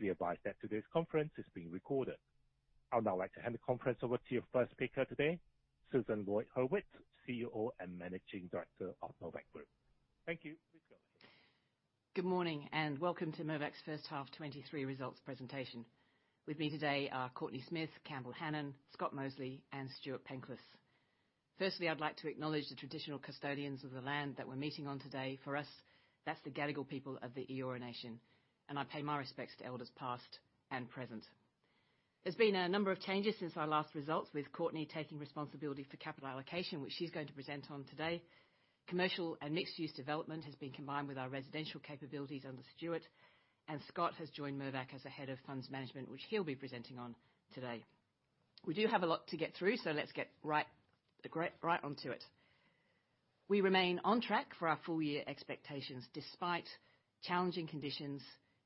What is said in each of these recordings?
Be advised that today's conference is being recorded. I would now like to hand the conference over to your first speaker today, Susan Lloyd-Hurwitz, CEO and Managing Director of Mirvac Group. Thank you. Please go ahead. Good morning, welcome to Mirvac's first half 2023 results presentation. With me today are Courtenay Smith, Campbell Hanan, Scott Mosely, and Stuart Penklis. Firstly, I'd like to acknowledge the traditional custodians of the land that we're meeting on today. For us, that's the Gadigal people of the Eora Nation, and I pay my respects to elders past and present. There's been a number of changes since our last results, with Courenay taking responsibility for capital allocation, which she's going to present on today. Commercial and mixed-use development has been combined with our residential capabilities under Stuart. Scott has joined Mirvac as a head of funds management, which he'll be presenting on today. We do have a lot to get through, so let's get right onto it. We remain on track for our full year expectations, despite challenging conditions,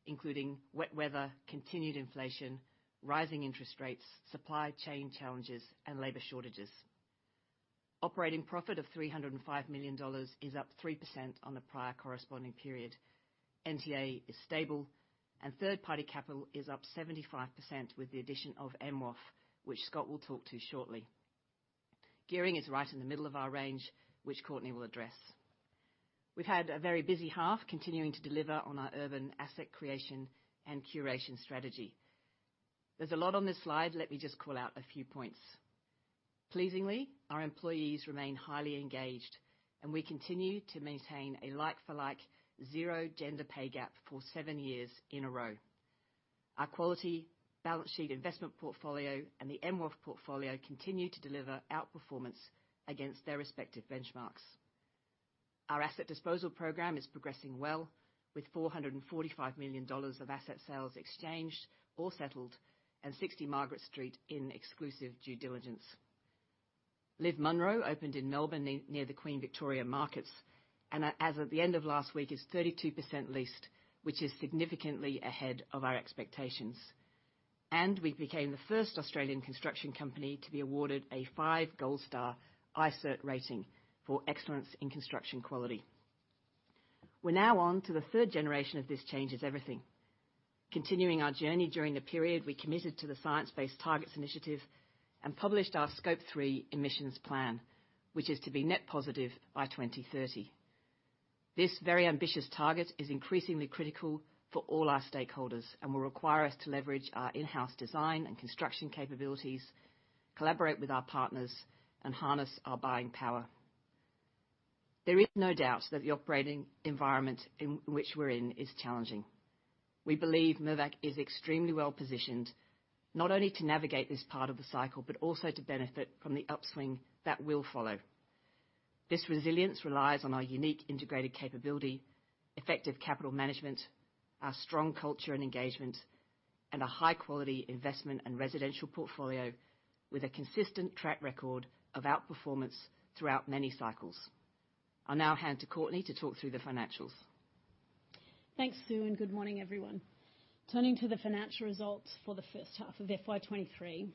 including wet weather, continued inflation, rising interest rates, supply chain challenges, and labor shortages. Operating profit of 305 million dollars is up 3% on the prior corresponding period. NTA is stable, and third-party capital is up 75% with the addition of MWOF, which Scott will talk to shortly. Gearing is right in the middle of our range, which Courtenay will address. We've had a very busy half continuing to deliver on our urban asset creation and curation strategy. There's a lot on this slide, let me just call out a few points. Pleasingly, our employees remain highly engaged, and we continue to maintain a like-for-like zero gender pay gap for seven years in a row. Our quality balance sheet investment portfolio and the MWOF portfolio continue to deliver outperformance against their respective benchmarks. Our asset disposal program is progressing well, with 445 million dollars of asset sales exchanged or settled, and 60 Margaret Street in exclusive due diligence. LIV Munro opened in Melbourne near the Queen Victoria Market, as of the end of last week is 32% leased, which is significantly ahead of our expectations. We became the first Australian construction company to be awarded a five-gold star iCIRT rating for excellence in construction quality. We're now on to the third generation of This Changes Everything. Continuing our journey during the period, we committed to the Science Based Targets initiative and published our Scope 3 emissions plan, which is to be net positive by 2030. This very ambitious target is increasingly critical for all our stakeholders and will require us to leverage our in-house design and construction capabilities, collaborate with our partners, and harness our buying power. There is no doubt that the operating environment in which we're in is challenging. We believe Mirvac is extremely well-positioned, not only to navigate this part of the cycle, but also to benefit from the upswing that will follow. This resilience relies on our unique integrated capability, effective capital management, our strong culture and engagement, and a high-quality investment and residential portfolio with a consistent track record of outperformance throughout many cycles. I'll now hand to Courtenay to talk through the financials. Thanks, Sue. Good morning, everyone. Turning to the financial results for the first half of FY 2023.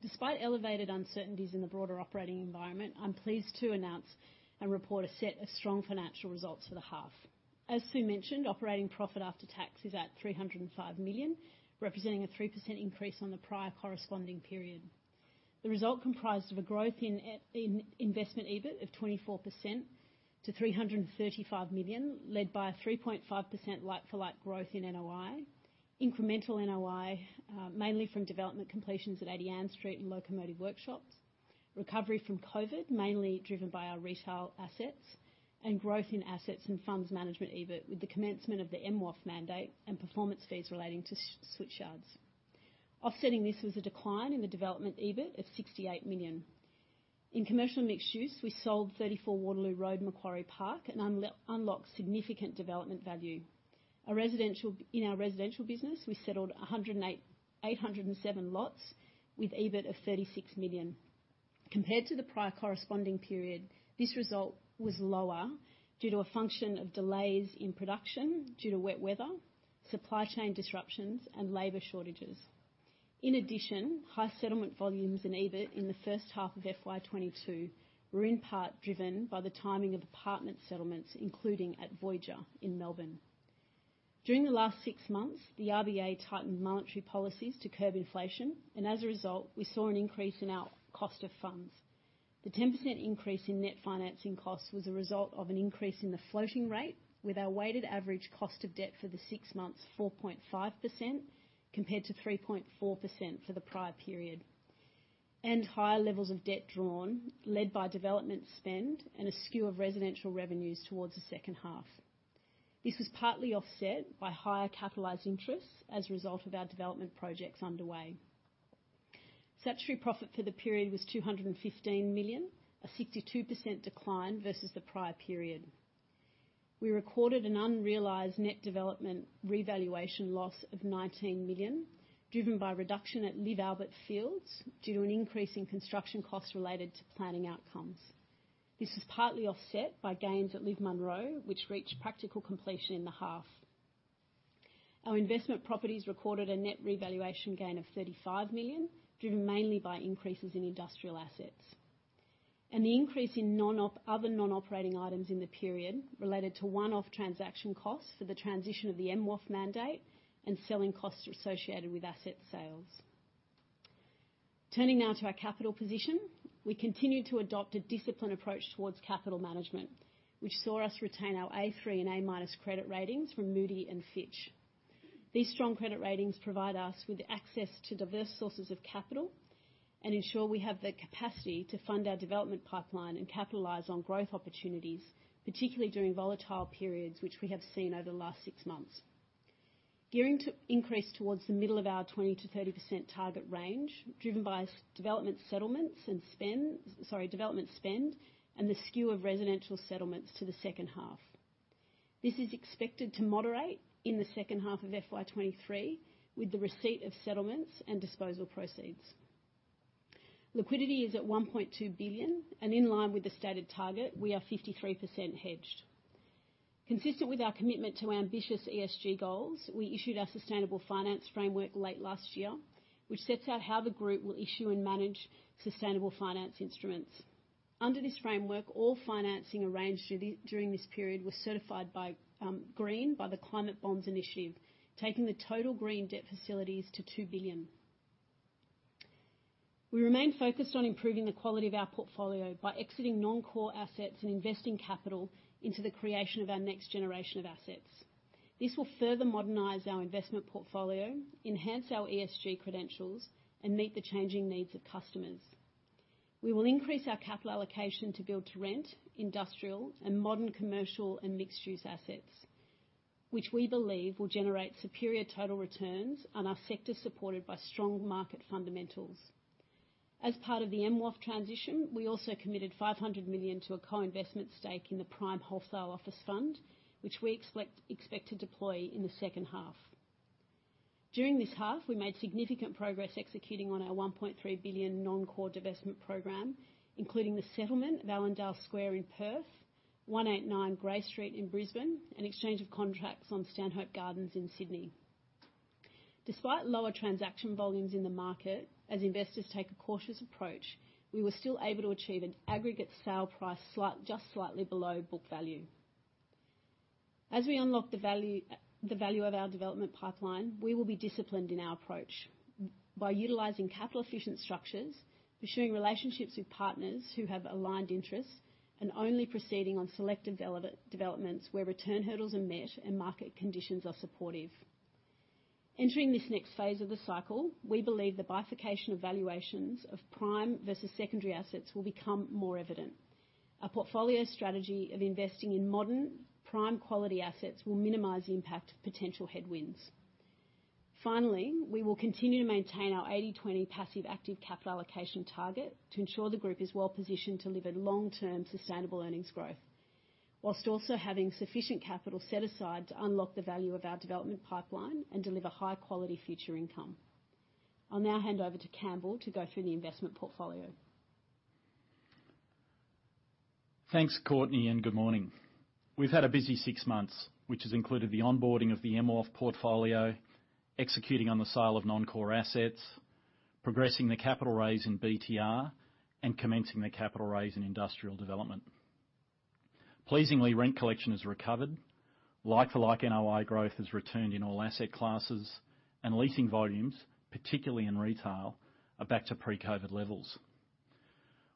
Despite elevated uncertainties in the broader operating environment, I'm pleased to announce and report a set of strong financial results for the half. As Sue mentioned, operating profit after tax is at 305 million, representing a 3% increase on the prior corresponding period. The result comprised of a growth in investment EBIT of 24% to 335 million, led by a 3.5% like-for-like growth in NOI. Incremental NOI, mainly from development completions at 80 Ann Street and Locomotive Workshops. Recovery from COVID, mainly driven by our retail assets, and growth in assets and funds management EBIT, with the commencement of the MWOF mandate and performance fees relating to Switchyards. Offsetting this was a decline in the development EBIT of 68 million. In commercial mixed use, we sold 34 Waterloo Road, Macquarie Park and unlocked significant development value. In our residential business, we settled 108, 807 lots with EBIT of 36 million. Compared to the prior corresponding period, this result was lower due to a function of delays in production due to wet weather, supply chain disruptions, and labor shortages. In addition, high settlement volumes in EBIT in the first half of FY22 were in part driven by the timing of apartment settlements, including at Voyager in Melbourne. During the last six months, the RBA tightened monetary policies to curb inflation, and as a result, we saw an increase in our cost of funds. The 10% increase in net financing costs was a result of an increase in the floating rate, with our weighted average cost of debt for the six months 4.5%, compared to 3.4% for the prior period. Higher levels of debt drawn, led by development spend and a skew of residential revenues towards the second half. This was partly offset by higher capitalized interest as a result of our development projects underway. Statutory profit for the period was 215 million, a 62% decline versus the prior period. We recorded an unrealized net development revaluation loss of 19 million, driven by a reduction at LIV Albert Fields due to an increase in construction costs related to planning outcomes. This was partly offset by gains at LIV Munro, which reached practical completion in the half. Our investment properties recorded a net revaluation gain of 35 million, driven mainly by increases in industrial assets. The increase in other non-operating items in the period related to one-off transaction costs for the transition of the MWOF mandate and selling costs associated with asset sales. Turning now to our capital position. We continue to adopt a disciplined approach towards capital management, which saw us retain our A3 and A- credit ratings from Moody's and Fitch. These strong credit ratings provide us with access to diverse sources of capital and ensure we have the capacity to fund our development pipeline and capitalize on growth opportunities, particularly during volatile periods, which we have seen over the last six months. Gearing to increase towards the middle of our 20%-30% target range, driven by development settlements and spend, sorry, development spend, and the skew of residential settlements to the second half. This is expected to moderate in the second half of FY 2023, with the receipt of settlements and disposal proceeds. Liquidity is at 1.2 billion, and in line with the stated target, we are 53% hedged. Consistent with our commitment to ambitious ESG goals, we issued our sustainable finance framework late last year, which sets out how the group will issue and manage sustainable finance instruments. Under this framework, all financing arranged during this period was certified by green by the Climate Bonds Initiative, taking the total green debt facilities to 2 billion. We remain focused on improving the quality of our portfolio by exiting non-core assets and investing capital into the creation of our next generation of assets. This will further modernize our investment portfolio, enhance our ESG credentials, and meet the changing needs of customers. We will increase our capital allocation to build-to-rent, industrial, and modern commercial, and mixed-use assets, which we believe will generate superior total returns and are sector supported by strong market fundamentals. As part of the MWOF transition, we also committed 500 million to a co-investment stake in the prime wholesale office fund, which we expect to deploy in the second half. During this half, we made significant progress executing on our 1.3 billion non-core divestment program, including the settlement of Allendale Square in Perth, 189 Grey Street in Brisbane, and exchange of contracts on Stanhope Gardens in Sydney. Despite lower transaction volumes in the market, as investors take a cautious approach, we were still able to achieve an aggregate sale price just slightly below book value. As we unlock the value, the value of our development pipeline, we will be disciplined in our approach by utilizing capital efficient structures, pursuing relationships with partners who have aligned interests, and only proceeding on selective developments where return hurdles are met and market conditions are supportive. Entering this next phase of the cycle, we believe the bifurcation of valuations of prime versus secondary assets will become more evident. Our portfolio strategy of investing in modern prime quality assets will minimize the impact of potential headwinds. Finally, we will continue to maintain our 80/20 passive-active capital allocation target to ensure the group is well positioned to deliver long-term sustainable earnings growth, whilst also having sufficient capital set aside to unlock the value of our development pipeline and deliver high-quality future income. I'll now hand over to Campbell to go through the investment portfolio. Thanks, Courtenay, and good morning. We've had a busy six months, which has included the onboarding of the MWOF portfolio, executing on the sale of non-core assets, progressing the capital raise in BTR, and commencing the capital raise in industrial development. Pleasingly, rent collection has recovered, like-for-like NOI growth has returned in all asset classes, and leasing volumes, particularly in retail, are back to pre-COVID levels.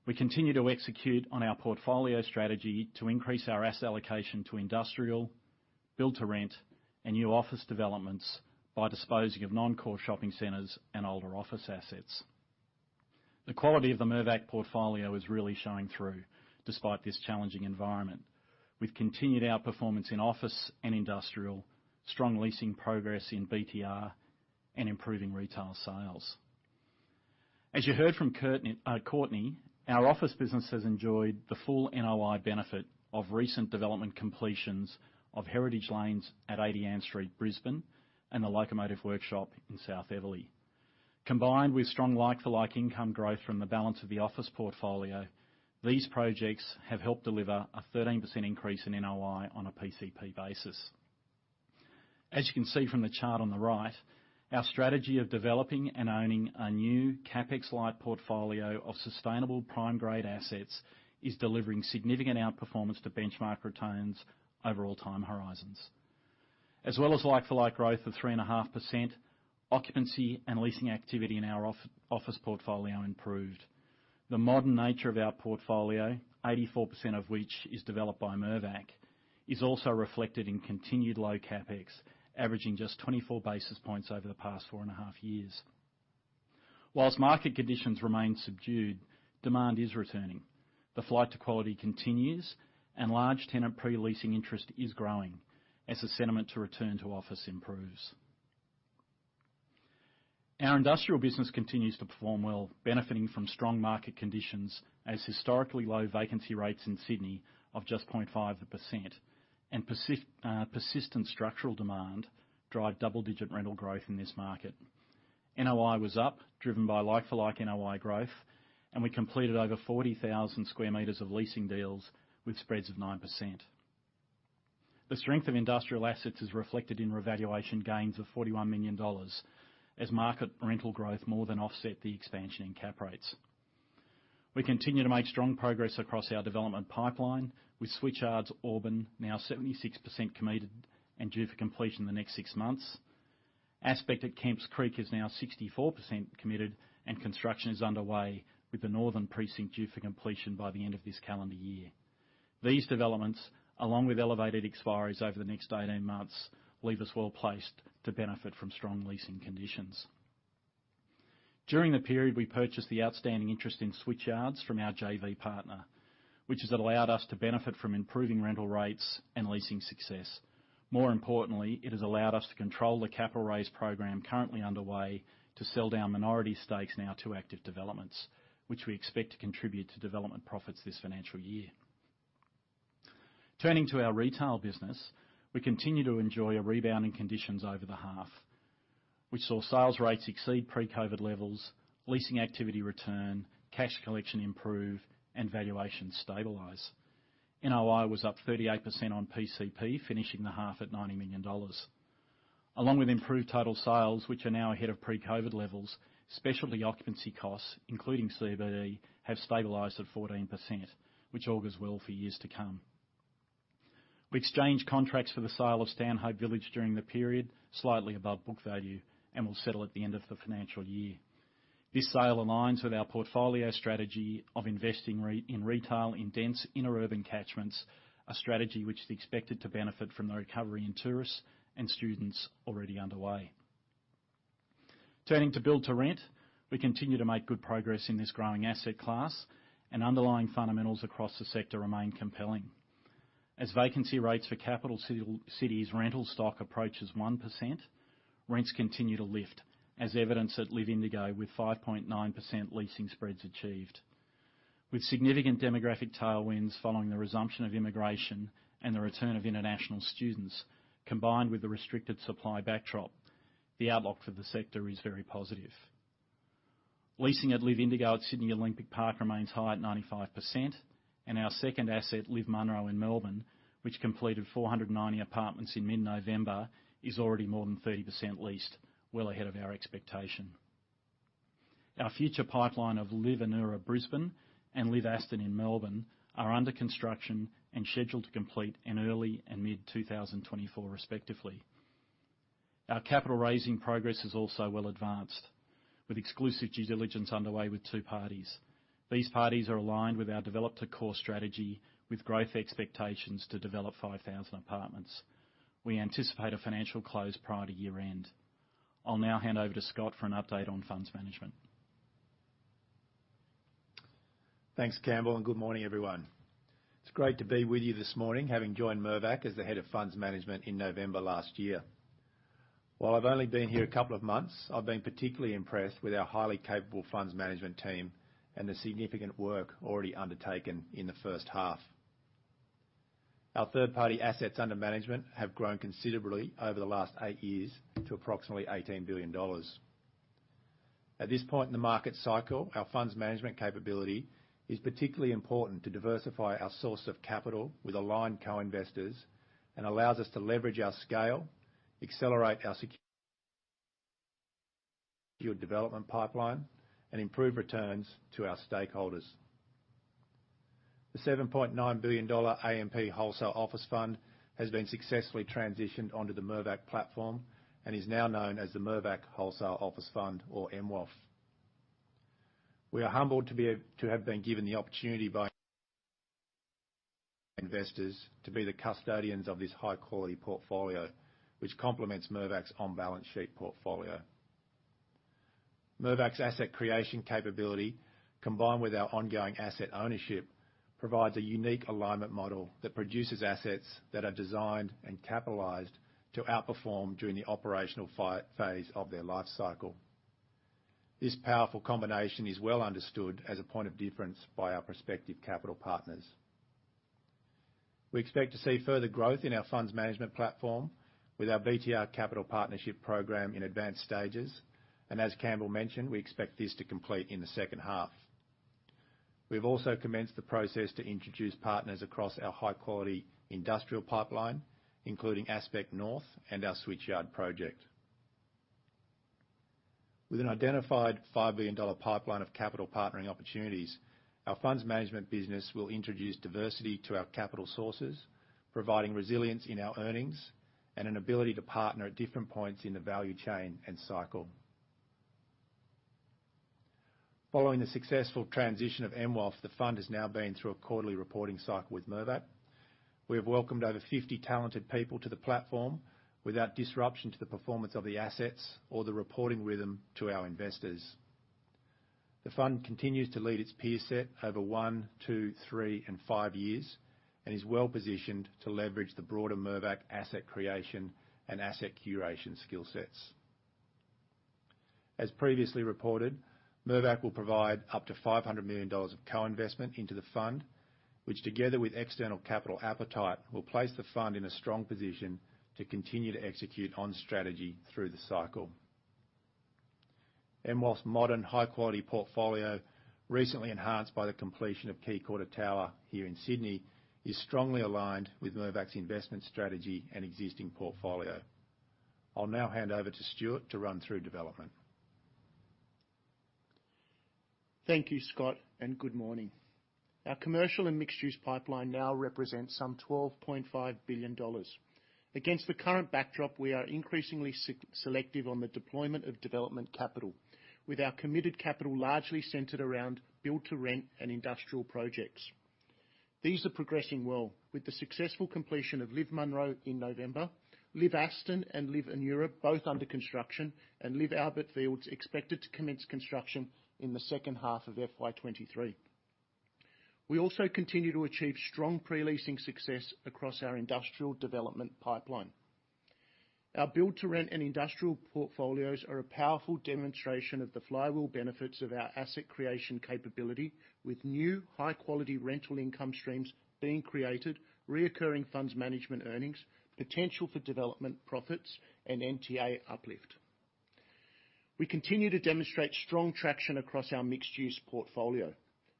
We continue to execute on our portfolio strategy to increase our asset allocation to industrial, build-to-rent, and new office developments by disposing of non-core shopping centers and older office assets. The quality of the Mirvac portfolio is really showing through despite this challenging environment. We've continued our performance in office and industrial, strong leasing progress in BTR, and improving retail sales. As you heard from Courtenay, our office business has enjoyed the full NOI benefit of recent development completions of Heritage Lanes at 80 Ann Street, Brisbane, and the Locomotive Workshop in South Eveleigh. Combined with strong like-for-like income growth from the balance of the office portfolio, these projects have helped deliver a 13% increase in NOI on a PCP basis. As you can see from the chart on the right, our strategy of developing and owning a new CapEx-light portfolio of sustainable prime grade assets is delivering significant outperformance to benchmark retains over all time horizons. As well as like-for-like growth of 3.5%, occupancy and leasing activity in our off-office portfolio improved. The modern nature of our portfolio, 84% of which is developed by Mirvac, is also reflected in continued low CapEx, averaging just 24 basis points over the past 4 and a half years. While market conditions remain subdued, demand is returning. The flight to quality continues, and large tenant pre-leasing interest is growing as the sentiment to return to office improves. Our industrial business continues to perform well, benefiting from strong market conditions as historically low vacancy rates in Sydney of just 0.5% and persistent structural demand drive double-digit rental growth in this market. NOI was up, driven by like-for-like NOI growth, and we completed over 40,000 square meters of leasing deals with spreads of 9%. The strength of industrial assets is reflected in revaluation gains of AUD 41 million as market rental growth more than offset the expansion in cap rates. We continue to make strong progress across our development pipeline with Switchyards Auburn now 76% committed and due for completion in the next 6 months. Aspect at Kemps Creek is now 64% committed and construction is underway, with the northern precinct due for completion by the end of this calendar year. These developments, along with elevated expiries over the next 18 months, leave us well-placed to benefit from strong leasing conditions. During the period, we purchased the outstanding interest in Switchyards from our JV partner, which has allowed us to benefit from improving rental rates and leasing success. More importantly, it has allowed us to control the capital raise program currently underway to sell down minority stakes in our two active developments, which we expect to contribute to development profits this financial year. Turning to our retail business, we continue to enjoy a rebounding conditions over the half. We saw sales rates exceed pre-COVID levels, leasing activity return, cash collection improve, and valuation stabilize. NOI was up 38% on PCP, finishing the half at AUD 90 million. Along with improved total sales, which are now ahead of pre-COVID levels, specialty occupancy costs, including CBD, have stabilized at 14%, which augurs well for years to come. We exchanged contracts for the sale of Stanhope Village during the period, slightly above book value, and will settle at the end of the financial year. This sale aligns with our portfolio strategy of investing in retail in dense inner urban catchments, a strategy which is expected to benefit from the recovery in tourists and students already underway. Turning to build to rent, we continue to make good progress in this growing asset class. Underlying fundamentals across the sector remain compelling. As vacancy rates for capital cities rental stock approaches 1%, rents continue to lift, as evidenced at LIV Indigo, with 5.9% leasing spreads achieved. With significant demographic tailwinds following the resumption of immigration and the return of international students, combined with the restricted supply backdrop, the outlook for the sector is very positive. Leasing at LIV Indigo at Sydney Olympic Park remains high at 95%, and our second asset, LIV Munro in Melbourne, which completed 490 apartments in mid-November, is already more than 30% leased, well ahead of our expectation. Our future pipeline of LIV Anura Brisbane and LIV Aston in Melbourne are under construction and scheduled to complete in early and mid-2024 respectively. Our capital raising progress is also well advanced, with exclusive due diligence underway with two parties. These parties are aligned with our develop to core strategy with growth expectations to develop 5,000 apartments. We anticipate a financial close prior to year-end. I'll now hand over to Scott for an update on funds management. Thanks, Campbell, and good morning, everyone. It's great to be with you this morning, having joined Mirvac as the Head of Funds Management in November last year. While I've only been here a couple of months, I've been particularly impressed with our highly capable funds management team and the significant work already undertaken in the first half. Our third-party assets under management have grown considerably over the last eight years to approximately 18 billion dollars. At this point in the market cycle, our funds management capability is particularly important to diversify our source of capital with aligned co-investors and allows us to leverage our scale, accelerate our secure development pipeline, and improve returns to our stakeholders. The 7.9 billion dollar AMP Wholesale Office Fund has been successfully transitioned onto the Mirvac platform and is now known as the Mirvac Wholesale Office Fund, or MWOF. We are humbled to be to have been given the opportunity by investors to be the custodians of this high-quality portfolio, which complements Mirvac's on-balance-sheet portfolio. Mirvac's asset creation capability, combined with our ongoing asset ownership, provides a unique alignment model that produces assets that are designed and capitalized to outperform during the operational phase of their life cycle. This powerful combination is well understood as a point of difference by our prospective capital partners. We expect to see further growth in our funds management platform with our BTR capital partnership program in advanced stages. As Campbell mentioned, we expect this to complete in the second half. We've also commenced the process to introduce partners across our high-quality industrial pipeline, including Aspect North and our Switchyard project. With an identified 5 billion dollar pipeline of capital partnering opportunities, our funds management business will introduce diversity to our capital sources, providing resilience in our earnings and an ability to partner at different points in the value chain and cycle. Following the successful transition of MWOF, the fund has now been through a quarterly reporting cycle with Mirvac. We have welcomed over 50 talented people to the platform without disruption to the performance of the assets or the reporting rhythm to our investors. The fund continues to lead its peer set over 1, 2, 3, and 5 years and is well-positioned to leverage the broader Mirvac asset creation and asset curation skillsets. As previously reported, Mirvac will provide up to 500 million dollars of co-investment into the fund, which together with external capital appetite, will place the fund in a strong position to continue to execute on strategy through the cycle. Whilst modern high quality portfolio recently enhanced by the completion of Quay Quarter Tower here in Sydney, is strongly aligned with Mirvac's investment strategy and existing portfolio. I'll now hand over to Stuart to run through development. Thank you, Scott. Good morning. Our commercial and mixed-use pipeline now represents some 12.5 billion dollars. Against the current backdrop, we are increasingly selective on the deployment of development capital, with our committed capital largely centered around build-to-rent and industrial projects. These are progressing well with the successful completion of LIV Munro in November, LIV Aston and LIV Anura, both under construction, and LIV Albert Fields expected to commence construction in the second half of FY23. We also continue to achieve strong pre-leasing success across our industrial development pipeline. Our build-to-rent and industrial portfolios are a powerful demonstration of the flywheel benefits of our asset creation capability, with new high-quality rental income streams being created, reoccurring funds management earnings, potential for development profits and NTA uplift. We continue to demonstrate strong traction across our mixed-use portfolio.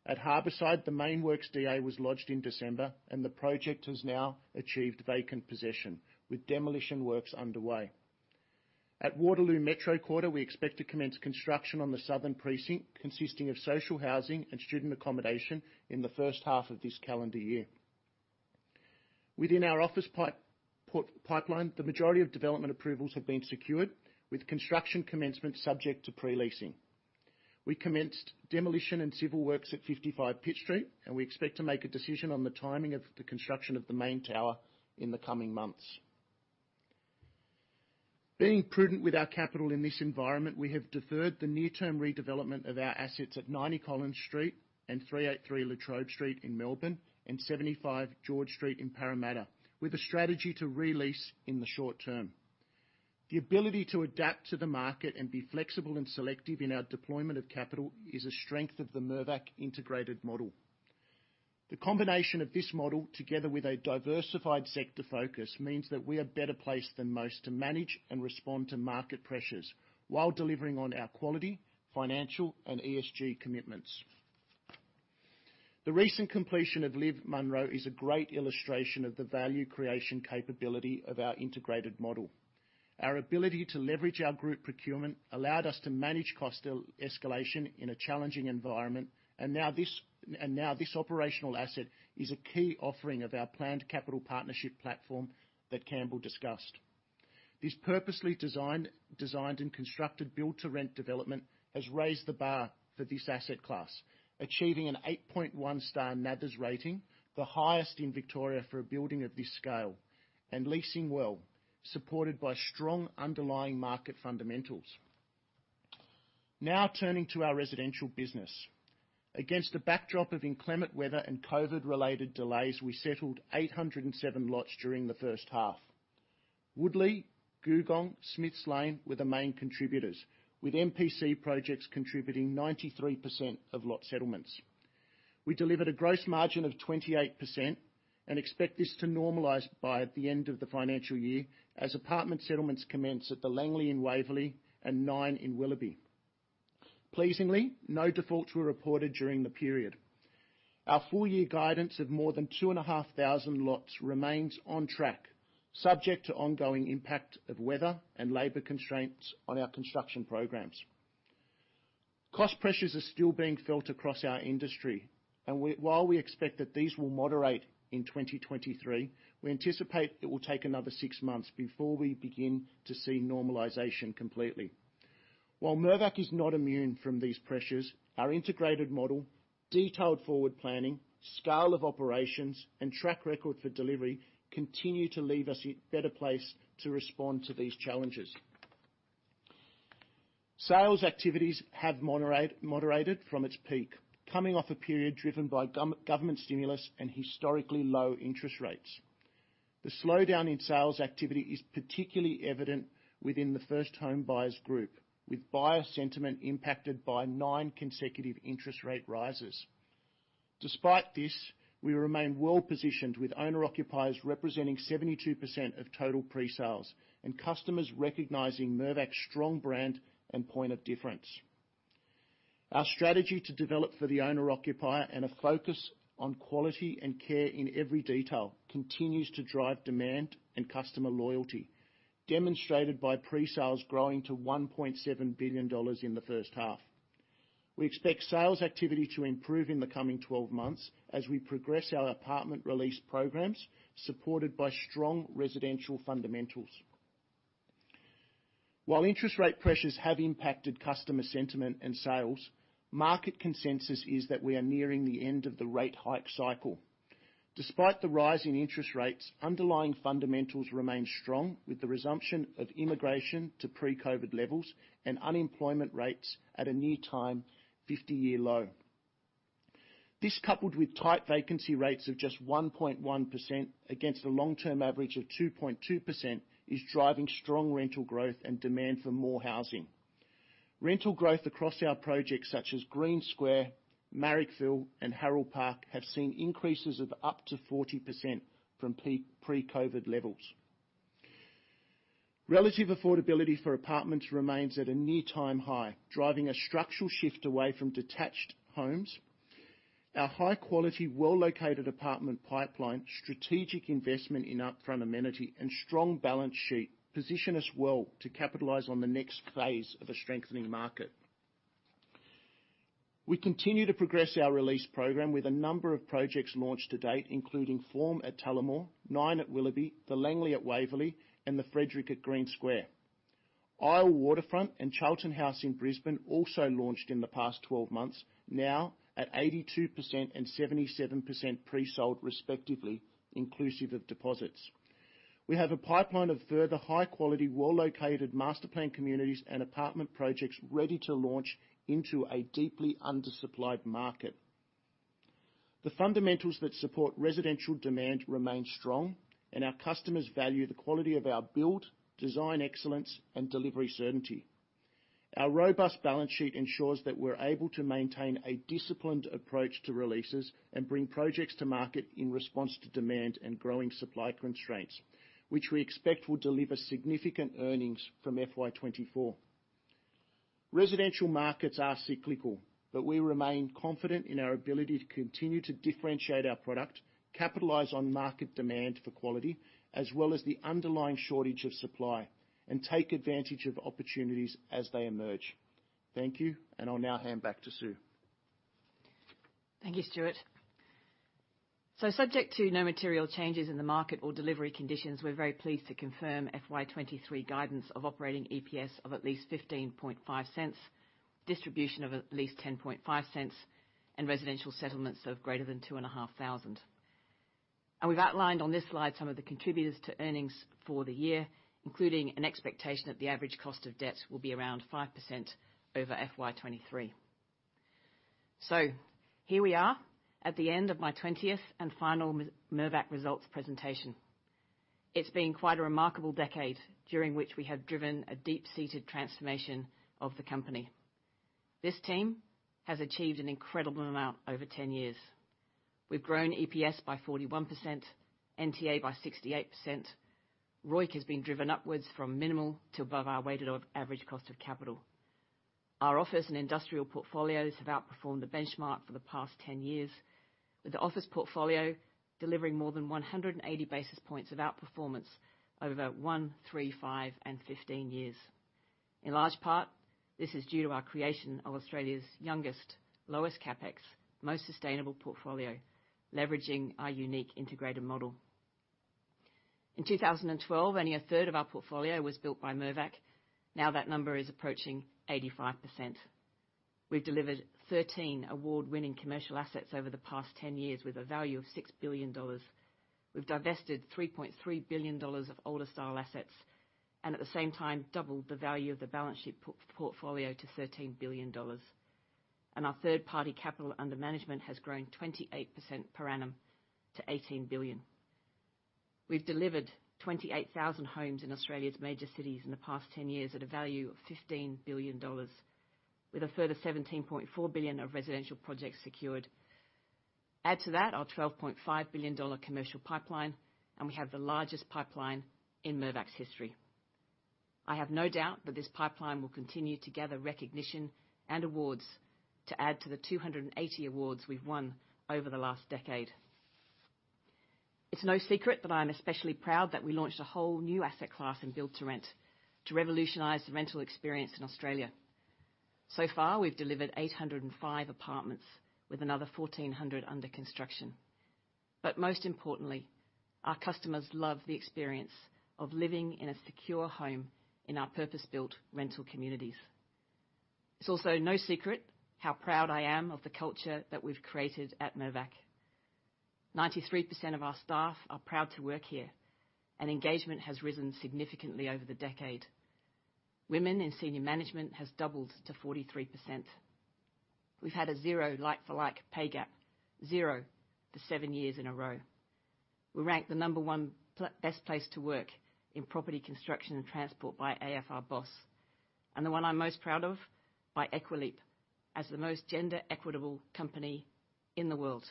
At Harbourside, the main works DA was lodged in December and the project has now achieved vacant possession with demolition works underway. At Waterloo Metro Quarter, we expect to commence construction on the southern precinct, consisting of social housing and student accommodation in the first half of this calendar year. Within our office pipeline, the majority of development approvals have been secured with construction commencement subject to pre-leasing. We commenced demolition and civil works at 55 Pitt Street, and we expect to make a decision on the timing of the construction of the main tower in the coming months. Being prudent with our capital in this environment, we have deferred the near-term redevelopment of our assets at 90 Collins Street and 383 La Trobe Street in Melbourne and 75 George Street in Parramatta, with a strategy to re-lease in the short term. The ability to adapt to the market and be flexible and selective in our deployment of capital is a strength of the Mirvac integrated model. The combination of this model, together with a diversified sector focus, means that we are better placed than most to manage and respond to market pressures while delivering on our quality, financial and ESG commitments. The recent completion of LIV Munro is a great illustration of the value creation capability of our integrated model. Our ability to leverage our group procurement allowed us to manage cost escalation in a challenging environment. Now this operational asset is a key offering of our planned capital partnership platform that Campbell discussed. This purposely designed and constructed build-to-rent development has raised the bar for this asset class, achieving an 8.1 star NABERS rating, the highest in Victoria for a building of this scale and leasing well, supported by strong underlying market fundamentals. Turning to our residential business. Against a backdrop of inclement weather and COVID related delays, we settled 807 lots during the first half. Woodlea, Googong, Smiths Lane were the main contributors, with MPC projects contributing 93% of lot settlements. We delivered a gross margin of 28% and expect this to normalize by the end of the financial year as apartment settlements commence at The Langlee in Waverley and NINE in Willoughby. Pleasingly, no defaults were reported during the period. Our full year guidance of more than 2,500 lots remains on track, subject to ongoing impact of weather and labor constraints on our construction programs. Cost pressures are still being felt across our industry, while we expect that these will moderate in 2023, we anticipate it will take another six months before we begin to see normalization completely. While Mirvac is not immune from these pressures, our integrated model, detailed forward planning, scale of operations and track record for delivery continue to leave us in better place to respond to these challenges. Sales activities have moderated from its peak, coming off a period driven by government stimulus and historically low interest rates. The slowdown in sales activity is particularly evident within the first home buyers group, with buyer sentiment impacted by nine consecutive interest rate rises. Despite this, we remain well positioned with owner occupiers representing 72% of total pre-sales and customers recognizing Mirvac's strong brand and point of difference. Our strategy to develop for the owner occupier and a focus on quality and care in every detail continues to drive demand and customer loyalty demonstrated by pre-sales growing to 1.7 billion dollars in the first half. We expect sales activity to improve in the coming 12 months as we progress our apartment release programs supported by strong residential fundamentals. While interest rate pressures have impacted customer sentiment and sales, market consensus is that we are nearing the end of the rate hike cycle. Despite the rise in interest rates, underlying fundamentals remain strong with the resumption of immigration to pre-COVID levels and unemployment rates at a new 50-year low. This, coupled with tight vacancy rates of just 1.1% against a long term average of 2.2%, is driving strong rental growth and demand for more housing. Rental growth across our projects such as Green Square, Marrickville and Harold Park have seen increases of up to 40% from pre-COVID levels. Relative affordability for apartments remains at a near time high, driving a structural shift away from detached homes. Our high quality, well-located apartment pipeline, strategic investment in upfront amenity and strong balance sheet position us well to capitalize on the next phase of a strengthening market. We continue to progress our release program with a number of projects launched to date, including Form at Tullamore, NINE at Willoughby, The Langlee at Waverley, and The Frederick at Green Square. Isle Waterfront and Charlton House in Brisbane also launched in the past 12 months, now at 82% and 77% pre-sold respectively, inclusive of deposits. We have a pipeline of further high quality, well-located master plan communities and apartment projects ready to launch into a deeply undersupplied market. The fundamentals that support residential demand remain strong, and our customers value the quality of our build, design excellence and delivery certainty. Our robust balance sheet ensures that we're able to maintain a disciplined approach to releases and bring projects to market in response to demand and growing supply constraints, which we expect will deliver significant earnings from FY 2024. Residential markets are cyclical, but we remain confident in our ability to continue to differentiate our product, capitalize on market demand for quality, as well as the underlying shortage of supply, and take advantage of opportunities as they emerge. Thank you, and I'll now hand back to Sue. Thank you, Stuart. Subject to no material changes in the market or delivery conditions, we're very pleased to confirm FY23 guidance of operating EPS of at least 0.155, distribution of at least 0.105 and residential settlements of greater than 2,500. We've outlined on this slide some of the contributors to earnings for the year, including an expectation that the average cost of debt will be around 5% over FY23. Here we are at the end of my twentieth and final Mirvac results presentation. It's been quite a remarkable decade during which we have driven a deep-seated transformation of the company. This team has achieved an incredible amount over 10 years. We've grown EPS by 41%, NTA by 68%. ROIC has been driven upwards from minimal to above our weighted average cost of capital. Our office and industrial portfolios have outperformed the benchmark for the past 10 years, with the office portfolio delivering more than 180 basis points of outperformance over one, three, five and 15 years. In large part, this is due to our creation of Australia's youngest, lowest CapEx, most sustainable portfolio, leveraging our unique integrated model. In 2012, only a third of our portfolio was built by Mirvac. Now that number is approaching 85%. We've delivered 13 award-winning commercial assets over the past 10 years with a value of 6 billion dollars. We've divested 3.3 billion dollars of older style assets, and at the same time doubled the value of the balance sheet portfolio to 13 billion dollars. Our third-party capital under management has grown 28% per annum to 18 billion. We've delivered 28,000 homes in Australia's major cities in the past 10 years at a value of 15 billion dollars, with a further 17.4 billion of residential projects secured. Add to that our 12.5 billion dollar commercial pipeline, and we have the largest pipeline in Mirvac's history. I have no doubt that this pipeline will continue to gather recognition and awards to add to the 280 awards we've won over the last decade. It's no secret that I'm especially proud that we launched a whole new asset class in build-to-rent to revolutionize the rental experience in Australia. So far, we've delivered 805 apartments with another 1,400 under construction. Most importantly, our customers love the experience of living in a secure home in our purpose-built rental communities. It's also no secret how proud I am of the culture that we've created at Mirvac. 93% of our staff are proud to work here, and engagement has risen significantly over the decade. Women in senior management has doubled to 43%. We've had a 0 like for like pay gap, 0 for 7 years in a row. We rank the number 1 best place to work in property construction and transport by AFR BOSS, and the one I'm most proud of, by Equileap as the most gender equitable company in the world.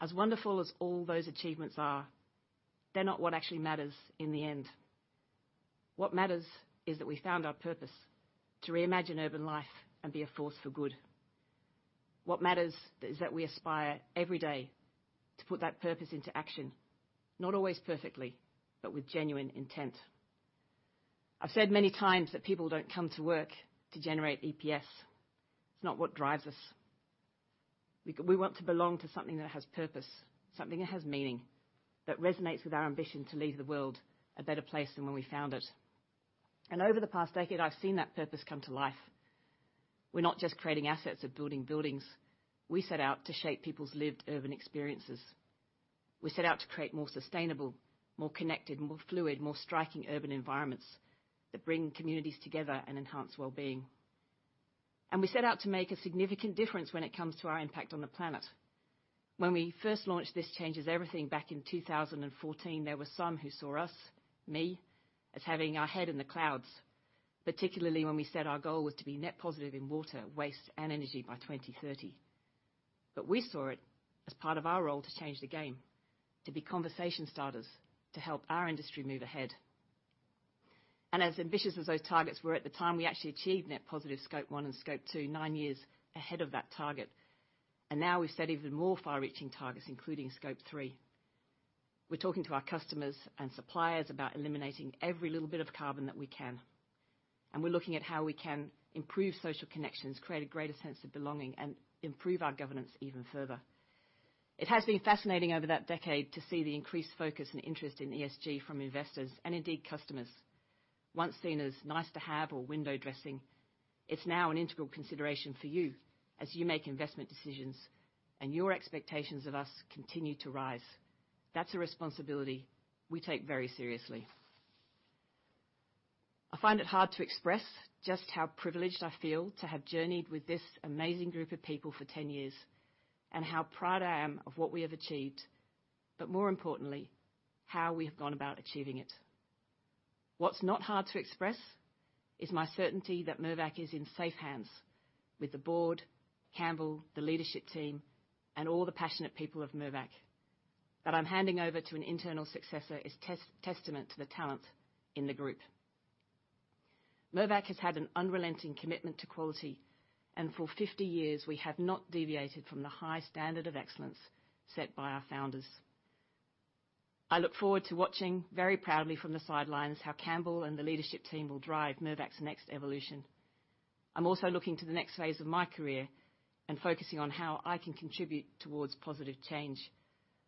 As wonderful as all those achievements are, they're not what actually matters in the end. What matters is that we found our purpose to reimagine urban life and be a force for good. What matters is that we aspire every day to put that purpose into action, not always perfectly, but with genuine intent. I've said many times that people don't come to work to generate EPS. It's not what drives us. We want to belong to something that has purpose, something that has meaning, that resonates with our ambition to leave the world a better place than when we found it. Over the past decade, I've seen that purpose come to life. We're not just creating assets or building buildings. We set out to shape people's lived urban experiences. We set out to create more sustainable, more connected, more fluid, more striking urban environments that bring communities together and enhance wellbeing. We set out to make a significant difference when it comes to our impact on the planet. When we first launched This Changes Everything back in 2014, there were some who saw us, me, as having our head in the clouds, particularly when we set our goal was to be net positive in water, waste and energy by 2030. We saw it as part of our role to change the game, to be conversation starters, to help our industry move ahead. As ambitious as those targets were at the time, we actually achieved net positive Scope 1 and Scope 2, 9 years ahead of that target. Now we've set even more far-reaching targets, including Scope 3. We're talking to our customers and suppliers about eliminating every little bit of carbon that we can, and we're looking at how we can improve social connections, create a greater sense of belonging, and improve our governance even further. It has been fascinating over that decade to see the increased focus and interest in ESG from investors and indeed customers. Once seen as nice to have or window dressing, it's now an integral consideration for you as you make investment decisions and your expectations of us continue to rise. That's a responsibility we take very seriously. I find it hard to express just how privileged I feel to have journeyed with this amazing group of people for 10 years, and how proud I am of what we have achieved, but more importantly, how we have gone about achieving it. What's not hard to express is my certainty that Mirvac is in safe hands with the board, Campbell, the leadership team, and all the passionate people of Mirvac. That I'm handing over to an internal successor is testament to the talent in the group. Mirvac has had an unrelenting commitment to quality, and for 50 years we have not deviated from the high standard of excellence set by our founders. I look forward to watching very proudly from the sidelines, how Campbell and the leadership team will drive Mirvac's next evolution. I'm also looking to the next phase of my career and focusing on how I can contribute towards positive change,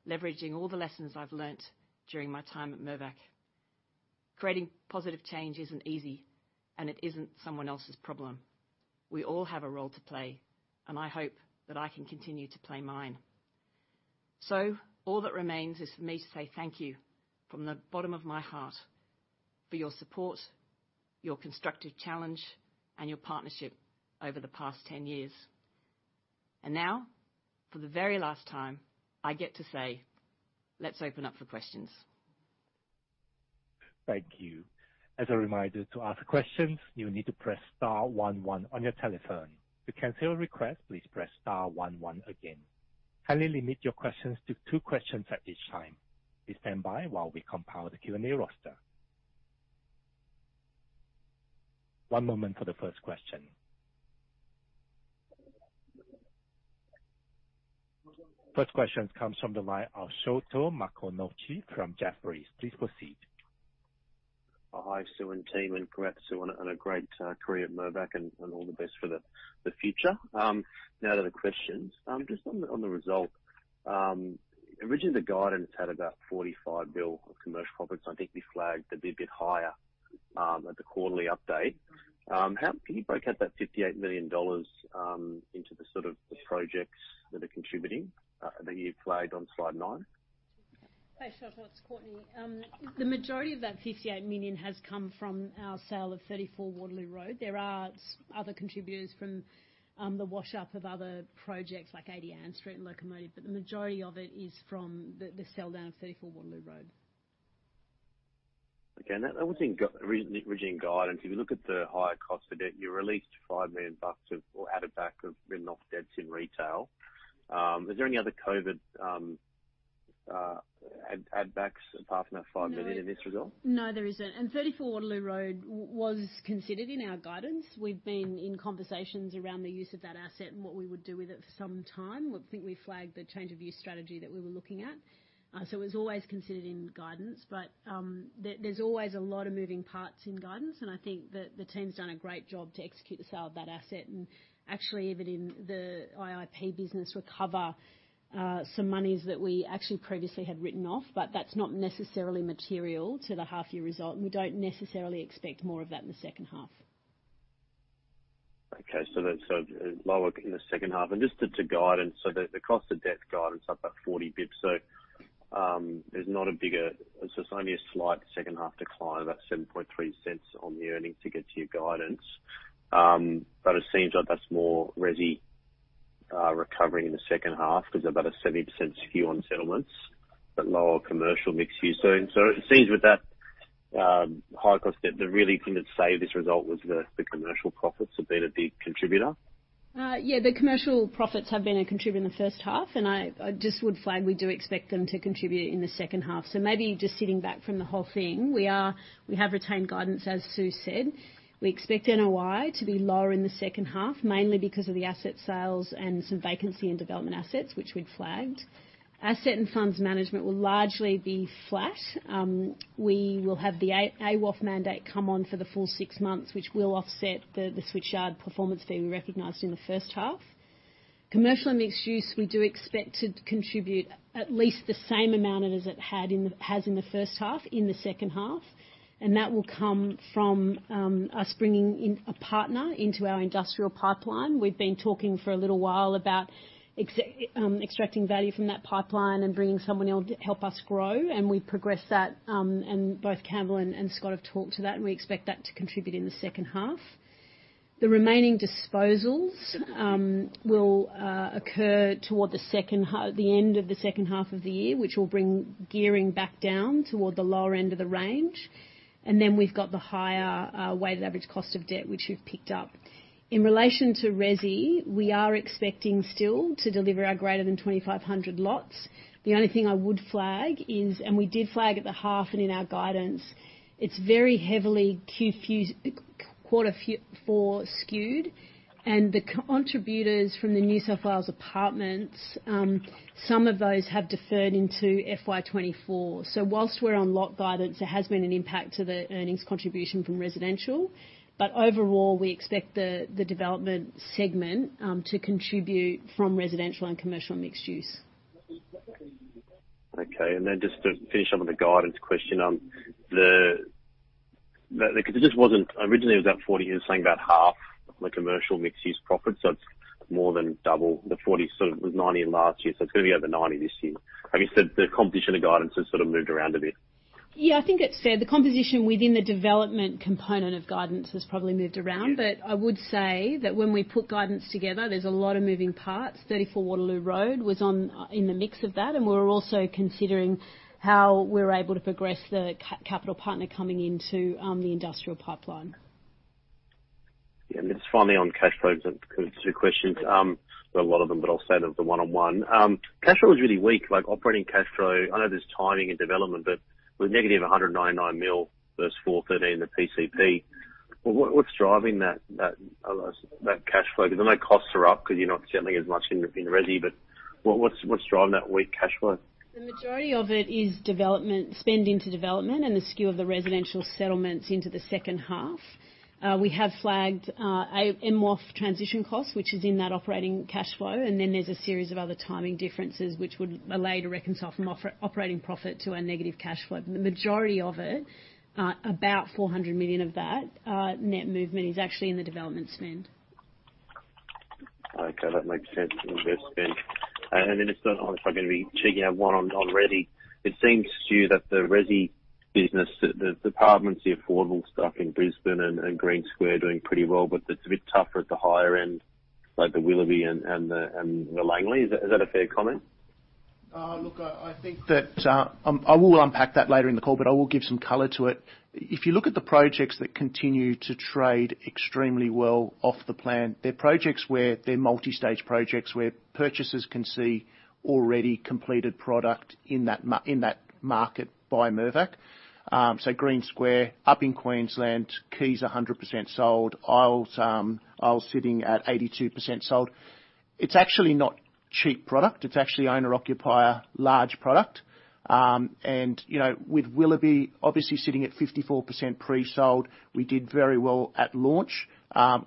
leveraging all the lessons I've learned during my time at Mirvac. Creating positive change isn't easy, and it isn't someone else's problem. We all have a role to play, and I hope that I can continue to play mine. All that remains is for me to say thank you from the bottom of my heart for your support, your constructive challenge, and your partnership over the past 10 years. Now, for the very last time, I get to say, "Let's open up for questions. Thank you. As a reminder to ask questions, you need to press star one one on your telephone. To cancel a request, please press star one one again. Kindly limit your questions to 2 questions at this time. Please stand by while we compile the Q&A roster. One moment for the first question. First questions comes from the line of Sholto Maconochie from Jefferies. Please proceed. Hi, Sue and team. Congrats, Sue, on a great career at Mirvac Group and all the best for the future. Now to the questions. Just on the result. Originally the guidance had about 45 billion of commercial profits. I think we flagged a bit higher at the quarterly update. Can you break out that 58 million dollars into the sort of the projects that are contributing that you flagged on slide 9? Hey, Sholto, it's Courtenay. The majority of that 58 million has come from our sale of 34 Waterloo Road. There are other contributors from the wash up of other projects like 80 Ann Street and Locomotive, but the majority of it is from the sell down of 34 Waterloo Road. Okay. That was originally in guidance. If you look at the higher cost of debt, you released 5 million bucks of or added back of written off debts in retail. Is there any other COVID add backs apart from that AUD 5 million in this result? No, there isn't. 34 Waterloo Road was considered in our guidance. We've been in conversations around the use of that asset and what we would do with it for some time. I think we flagged the change of use strategy that we were looking at. It was always considered in guidance, but there's always a lot of moving parts in guidance, and I think that the team's done a great job to execute the sale of that asset. Actually, even in the IIP business, recover some monies that we actually previously had written off, but that's not necessarily material to the half year result, and we don't necessarily expect more of that in the second half. Lower in the second half and just to guidance. The cost of debt guidance up about 40 bits. It's only a slight second half decline, about 0.073 on the earnings to get to your guidance. It seems like that's more resi recovery in the second half because about a 70% skew on settlements, but lower commercial mixed use. It seems with that higher cost debt, the really thing that saved this result was the commercial profits have been a big contributor. Yeah, the commercial profits have been a contributor in the first half, and I just would flag we do expect them to contribute in the second half. Maybe just sitting back from the whole thing, we have retained guidance, as Sue said. We expect NOI to be lower in the second half, mainly because of the asset sales and some vacancy and development assets which we'd flagged. Asset and funds management will largely be flat. We will have the AWOF mandate come on for the full six months, which will offset the Switchyards performance fee we recognized in the first half. Commercial and mixed use, we do expect to contribute at least the same amount as it has in the first half, in the second half. That will come from us bringing in a partner into our industrial pipeline. We've been talking for a little while about extracting value from that pipeline and bringing someone in to help us grow. We progress that, and both Campbell and Scott have talked to that. We expect that to contribute in the second half. The remaining disposals will occur toward the end of the second half of the year, which will bring gearing back down toward the lower end of the range. We've got the higher weighted average cost of debt, which you've picked up. In relation to resi, we are expecting still to deliver our greater than 2,500 lots. The only thing I would flag is, we did flag at the half and in our guidance, it's very heavily Q4 skewed, and the contributors from the New South Wales apartments, some of those have deferred into FY 2024. Whilst we're on lot guidance, there has been an impact to the earnings contribution from residential. Overall, we expect the development segment to contribute from residential and commercial mixed use. Just to finish up with the guidance question. Because it just wasn't originally about 40, it was saying about half the commercial mixed use profit, so it's more than double the 40. It was 90 last year, so it's gonna be over 90 this year. I guess the composition of guidance has sort of moved around a bit. Yeah, I think it's fair. The composition within the development component of guidance has probably moved around. Yeah. I would say that when we put guidance together, there's a lot of moving parts. 34 Waterloo Road was on in the mix of that, and we're also considering how we're able to progress the capital partner coming into the industrial pipeline. Yeah. Then just finally on cash flows, kind of two questions. Well, a lot of them, but I'll say they're the one on one. Cash flow is really weak, like operating cash flow. I know there's timing and development, but with negative 199 million versus 413 million in the PCP, what's driving that cash flow? I know costs are up because you're not settling as much in resi, but what's driving that weak cash flow? The majority of it is development, spend into development and the skew of the residential settlements into the second half. We have flagged a MWOF transition cost, which is in that operating cash flow, and then there's a series of other timing differences which would allow you to reconcile from operating profit to a negative cash flow. The majority of it, about 400 million of that net movement is actually in the development spend. Okay, that makes sense in the dev spend. Honestly, I'm going to be chucking out one on Resi. It seems to you that the Resi business, the apartments, the affordable stuff in Brisbane and Green Square are doing pretty well, but it's a bit tougher at the higher end, like the Willoughby and the Langlee. Is that a fair comment? I think that I will unpack that later in the call, but I will give some color to it. If you look at the projects that continue to trade extremely well off the plan, they're projects where they're multi-stage projects where purchasers can see already completed product in that market by Mirvac. Green Square, up in Queensland, Keys 100% sold. Isles sitting at 82% sold. It's actually not cheap product. It's actually owner occupier large product. You know, with Willoughby obviously sitting at 54% pre-sold, we did very well at launch.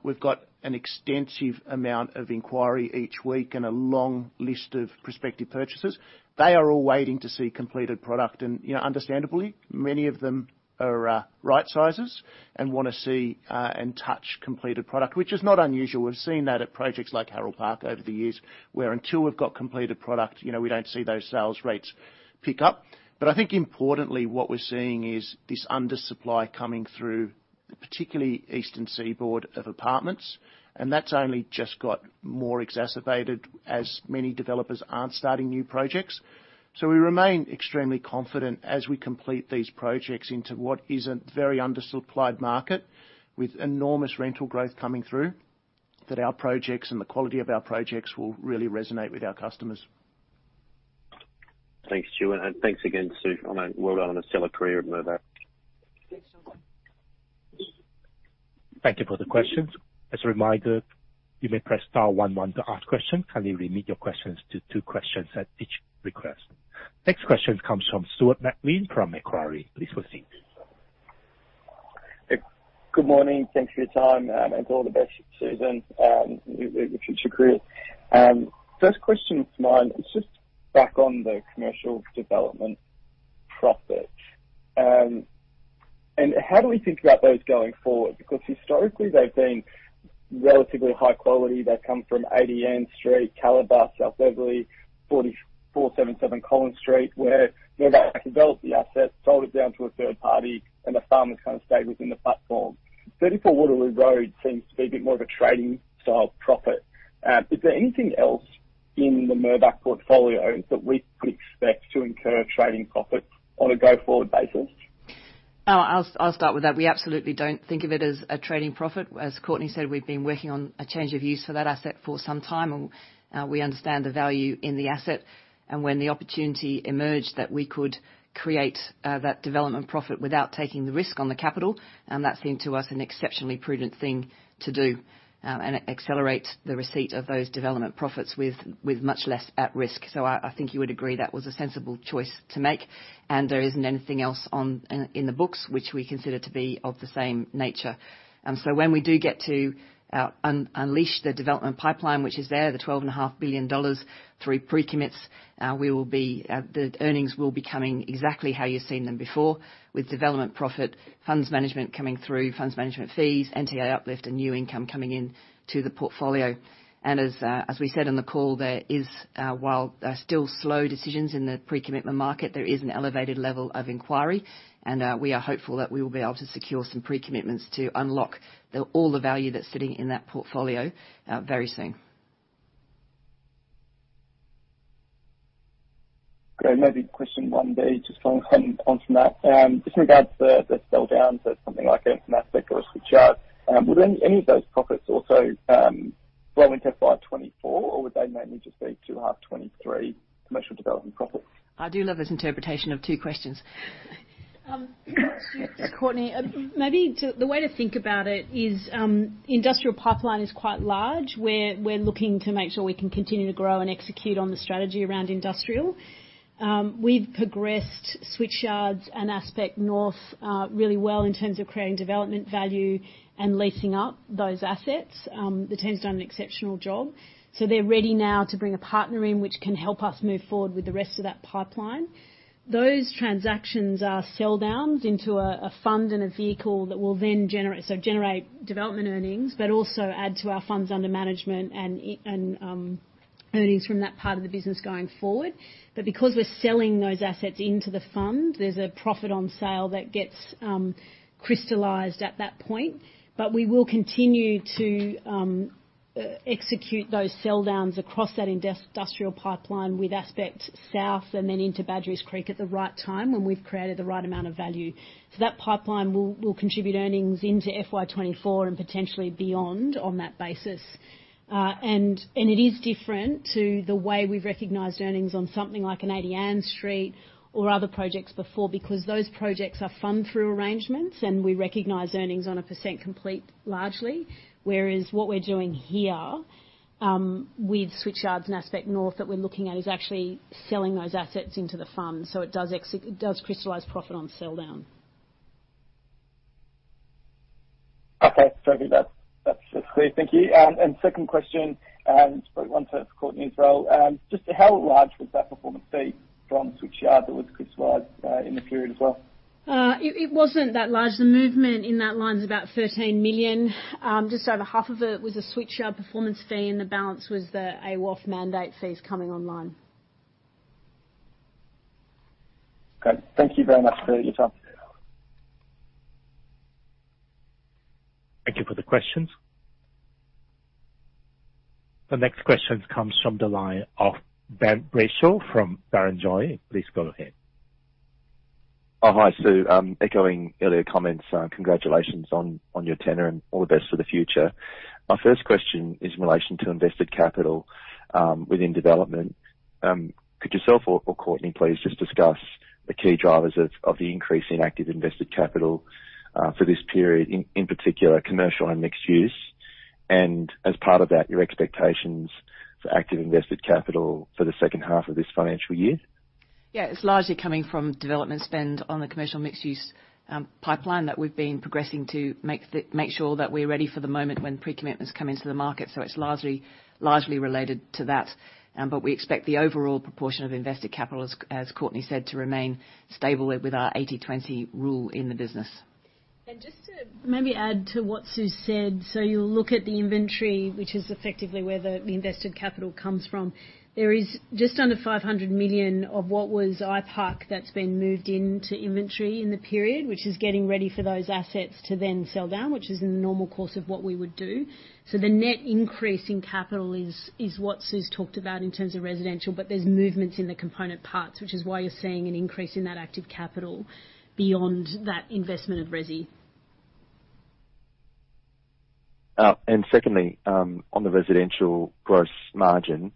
We've got an extensive amount of inquiry each week and a long list of prospective purchasers. They are all waiting to see completed product. you know, understandably, many of them are right sizes and wanna see and touch completed product, which is not unusual. We've seen that at projects like Harold Park over the years, where until we've got completed product, you know, we don't see those sales rates pick up. I think importantly, what we're seeing is this undersupply coming through, particularly eastern seaboard of apartments, and that's only just got more exacerbated as many developers aren't starting new projects. We remain extremely confident as we complete these projects into what is a very undersupplied market with enormous rental growth coming through, that our projects and the quality of our projects will really resonate with our customers. Thanks, Stu, and thanks again, Sue, on a stellar career at Mirvac. Thanks so much. Thank you for the questions. As a reminder, you may press star one one to ask questions. Kindly limit your questions to two questions at each request. Next question comes from Stuart Maclean from Macquarie. Please proceed. Good morning. Thanks for your time, and all the best, Susan, with your future career. First question of mine is just back on the commercial development profit. How do we think about those going forward? Historically, they've been relatively high quality. They've come from ADN Street, Kalabar, South Beverly, 477 Collins Street, where Mirvac developed the asset, sold it down to a third party, and the farm's kind of stayed within the platform. 34 Waterloo Road seems to be a bit more of a trading style profit. Is there anything else in the Mirvac portfolio that we could expect to incur trading profit on a go-forward basis? I'll start with that. We absolutely don't think of it as a trading profit. As Courtenay said, we've been working on a change of use for that asset for some time, and we understand the value in the asset and when the opportunity emerged that we could create that development profit without taking the risk on the capital, that seemed to us an exceptionally prudent thing to do, and accelerate the receipt of those development profits with much less at risk. I think you would agree that was a sensible choice to make and there isn't anything else on in the books which we consider to be of the same nature. When we do get to unleash the development pipeline, which is there, the twelve and a half billion dollars through pre-commits, we will be, the earnings will be coming exactly how you've seen them before with development profit, funds management coming through, funds management fees, NTA uplift and new income coming in to the portfolio. As, as we said on the call, there is, while there are still slow decisions in the pre-commitment market, there is an elevated level of inquiry, and, we are hopeful that we will be able to secure some pre-commitments to unlock the, all the value that's sitting in that portfolio, very soon. Great. Maybe question 1B, just going on from that. Just in regards to the sell down to something like an Aspect or a Switchyard, would any of those profits also roll into FY 2024, or would they mainly just be to half 2023 commercial development profits? I do love this interpretation of two questions. Courtenay, maybe the way to think about it is, industrial pipeline is quite large. We're looking to make sure we can continue to grow and execute on the strategy around industrial. We've progressed Switchyards and Aspect North really well in terms of creating development value and leasing up those assets. The team's done an exceptional job. They're ready now to bring a partner in which can help us move forward with the rest of that pipeline. Those transactions are sell downs into a fund and a vehicle that will then generate development earnings, but also add to our funds under management and earnings from that part of the business going forward. Because we're selling those assets into the fund, there's a profit on sale that gets crystallized at that point. We will continue to execute those sell downs across that industrial pipeline with Aspect South and then into Badgerys Creek at the right time, when we've created the right amount of value. That pipeline will contribute earnings into FY 2024 and potentially beyond on that basis. And it is different to the way we've recognized earnings on something like an 80 Ann Street or other projects before, because those projects are fund through arrangements, and we recognize earnings on a percent complete largely. Whereas what we're doing here, with Switchyards and Aspect North that we're looking at, is actually selling those assets into the fund. It does crystallize profit on sell down. Okay. Sorry, that's clear. Thank you. Second question, probably one to Courtenay as well. Just how large was that performance fee from Switchyards that was crystallized in the period as well? It wasn't that large. The movement in that line is about 13 million. Just over half of it was the Switchyards performance fee, the balance was the AWOF mandate fees coming online. Okay, thank you very much for your time. Thank you for the questions. The next question comes from the line of Ben Brayshaw from Barrenjoey. Please go ahead. Oh, hi, Sue. Echoing earlier comments, congratulations on your tenure and all the best for the future. My first question is in relation to invested capital within development. Could yourself or Courtenay, please just discuss the key drivers of the increase in active invested capital for this period, in particular, commercial and mixed use? As part of that, your expectations for active invested capital for the second half of this financial year. Yeah, it's largely coming from development spend on the commercial mixed use pipeline that we've been progressing to make sure that we're ready for the moment when pre-commitments come into the market. It's largely related to that. We expect the overall proportion of invested capital, as Courtenay said, to remain stable with our 80/20 rule in the business. Just to maybe add to what Sue said, you look at the inventory, which is effectively where the invested capital comes from. There is just under 500 million of what was IPUC that's been moved into inventory in the period, which is getting ready for those assets to then sell down, which is in the normal course of what we would do. The net increase in capital is what Sue's talked about in terms of residential, but there's movements in the component parts, which is why you're seeing an increase in that active capital beyond that investment of Resi. Secondly, on the residential gross margin,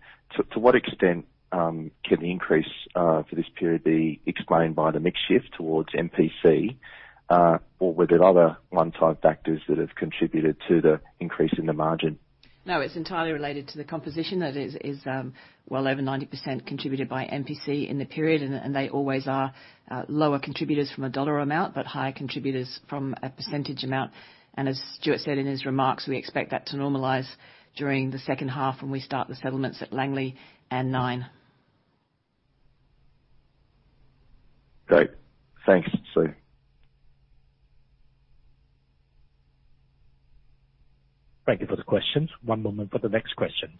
to what extent can the increase for this period be explained by the mix shift towards MPC, or were there other one-time factors that have contributed to the increase in the margin? No, it's entirely related to the composition that is well over 90% contributed by MPC in the period, and they always are lower contributors from a dollar amount, but higher contributors from a percentage amount. As Stuart said in his remarks, we expect that to normalize during the second half when we start the settlements at The Langlee and NINE. Great. Thanks, Sue. Thank you for the questions. One moment for the next questions.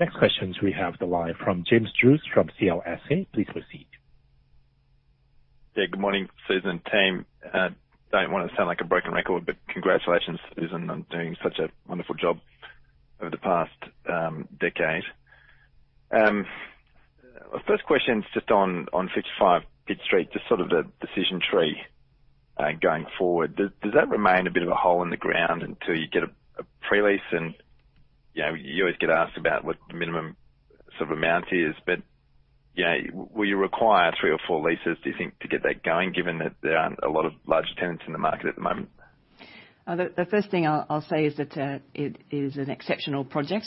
Next questions we have the line from James Druce from CLSA. Please proceed. Good morning, Sue and team. Don't wanna sound like a broken record, congratulations, Susan on doing such a wonderful job over the past decade. First question is just on 55 Pitt Street, just sort of the decision tree going forward. Does that remain a bit of a hole in the ground until you get a pre-lease? You know, you always get asked about what the minimum sort of amount is, you know, will you require three or four leases, do you think, to get that going, given that there aren't a lot of large tenants in the market at the moment? The first thing I'll say is that it is an exceptional project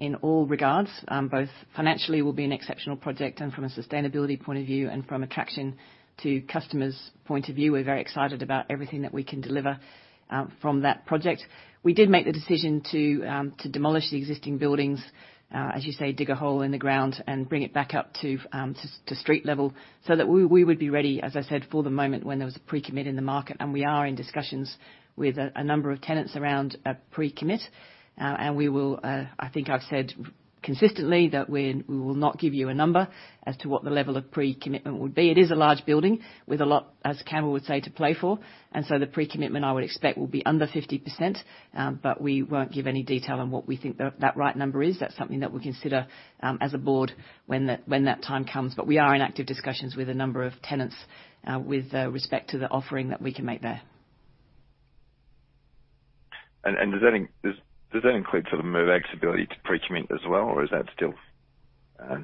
in all regards. Both financially will be an exceptional project and from a sustainability point of view and from attraction to customers point of view. We're very excited about everything that we can deliver from that project. We did make the decision to demolish the existing buildings, as you say, dig a hole in the ground and bring it back up to street level, so that we would be ready, as I said, for the moment when there was a pre-commit in the market. We are in discussions with a number of tenants around a pre-commit. We will, I think I've said consistently that we will not give you a number as to what the level of pre-commitment would be. It is a large building with a lot, as Cameron would say, to play for. The pre-commitment I would expect will be under 50%. We won't give any detail on what we think that right number is. That's something that we'll consider as a board when that time comes. We are in active discussions with a number of tenants with respect to the offering that we can make there. Does that include sort of Mirvac's ability to pre-commit as well, or is that still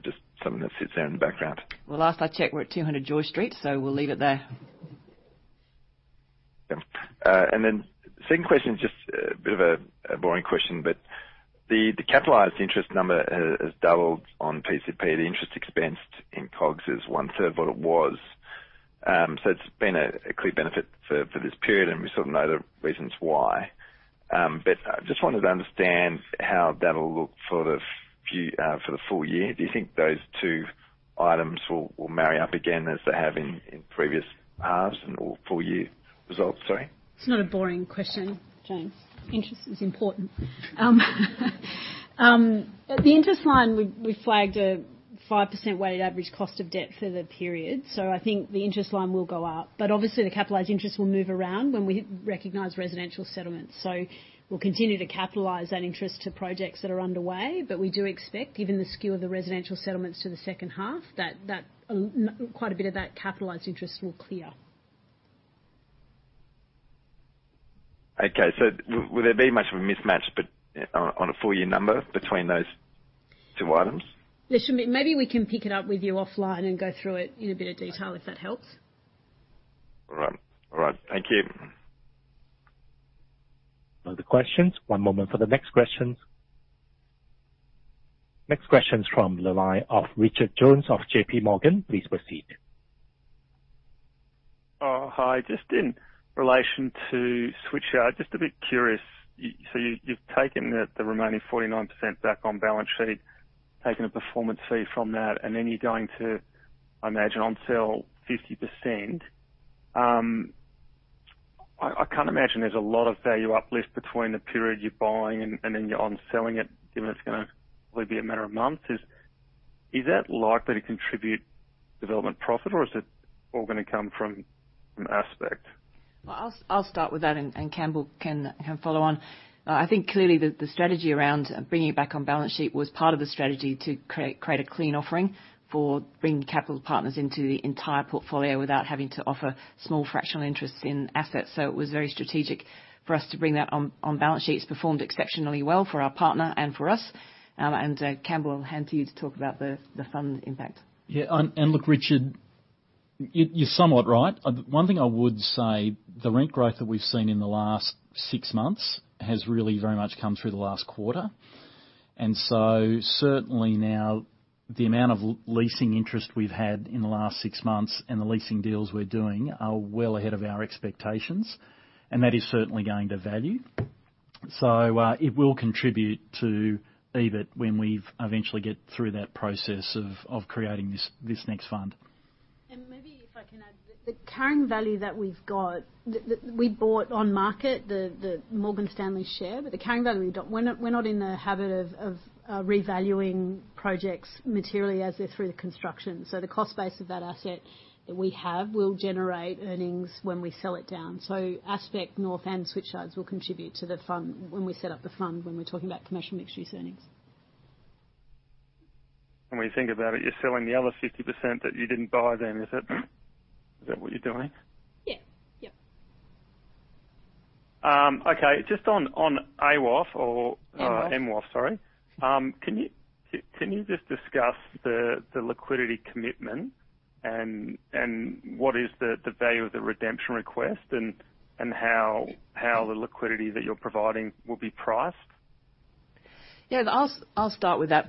just something that sits there in the background? Well, last I checked, we're at 200 George Street, so we'll leave it there. Second question is just a bit of a boring question, but the capitalized interest number has doubled on PCP. The interest expensed in COGS is one third of what it was. It's been a clear benefit for this period, and we sort of know the reasons why. I just wanted to understand how that'll look for the full year. Do you think those two items will marry up again as they have in previous halves or full year results? Sorry. It's not a boring question, James. Interest is important. At the interest line, we flagged a 5% weighted average cost of debt for the period. I think the interest line will go up. Obviously the capitalized interest will move around when we recognize residential settlements. We'll continue to capitalize that interest to projects that are underway. We do expect, given the skew of the residential settlements to the second half, that quite a bit of that capitalized interest will clear. Will there be much of a mismatch, but on a full year number between those two items? Maybe we can pick it up with you offline and go through it in a bit of detail, if that helps. All right. All right. Thank you. Other questions? One moment for the next questions. Next question is from the line of Richard Jones of JPMorgan. Please proceed. Hi. Just in relation to Switchyards, just a bit curious. You've taken the remaining 49% back on balance sheet, taken a performance fee from that, and then you're going to, I imagine, onsell 50%. I can't imagine there's a lot of value uplift between the period you're buying and then you're onselling it, given it's gonna probably be a matter of months. Is that likely to contribute development profit or is it all gonna come from Aspect? I'll start with that and Campbell can follow on. I think clearly the strategy around bringing it back on balance sheet was part of the strategy to create a clean offering for bringing capital partners into the entire portfolio without having to offer small fractional interests in assets. It was very strategic for us to bring that on balance sheet. It's performed exceptionally well for our partner and for us. Campbell, I'll hand to you to talk about the fund impact. Yeah. Look, Richard, you're somewhat right. One thing I would say, the rent growth that we've seen in the last six months has really very much come through the last quarter. Certainly now the amount of leasing interest we've had in the last six months and the leasing deals we're doing are well ahead of our expectations, and that is certainly going to value. It will contribute to EBIT when we've eventually get through that process of creating this next fund. Maybe if I can add, the carrying value that we've got that we bought on market, the Morgan Stanley share. We're not in the habit of revaluing projects materially as they're through the construction. The cost base of that asset that we have will generate earnings when we sell it down. Aspect North and Switchyards will contribute to the fund when we set up the fund, when we're talking about commercial mixed-use earnings. When you think about it, you're selling the other 50% that you didn't buy then. Is it, is that what you're doing? Yeah. Yeah. Okay. Just on AWOF or- MWOF. MWOF, sorry. can you just discuss the liquidity commitment and what is the value of the redemption request and how the liquidity that you're providing will be priced? Yeah, I'll start with that.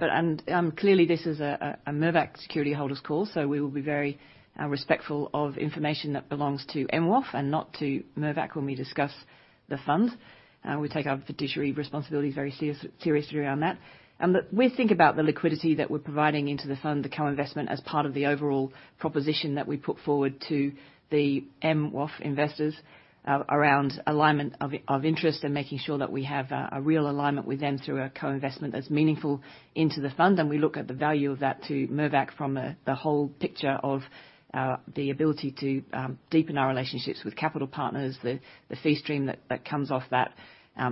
Clearly this is a Mirvac security holders call, so we will be very respectful of information that belongs to MWOF and not to Mirvac when we discuss the fund. We take our fiduciary responsibilities very seriously around that. But we think about the liquidity that we're providing into the fund, the co-investment, as part of the overall proposition that we put forward to the MWOF investors around alignment of interest and making sure that we have a real alignment with them through a co-investment that's meaningful into the fund. We look at the value of that to Mirvac from the whole picture of the ability to deepen our relationships with capital partners, the fee stream that comes off that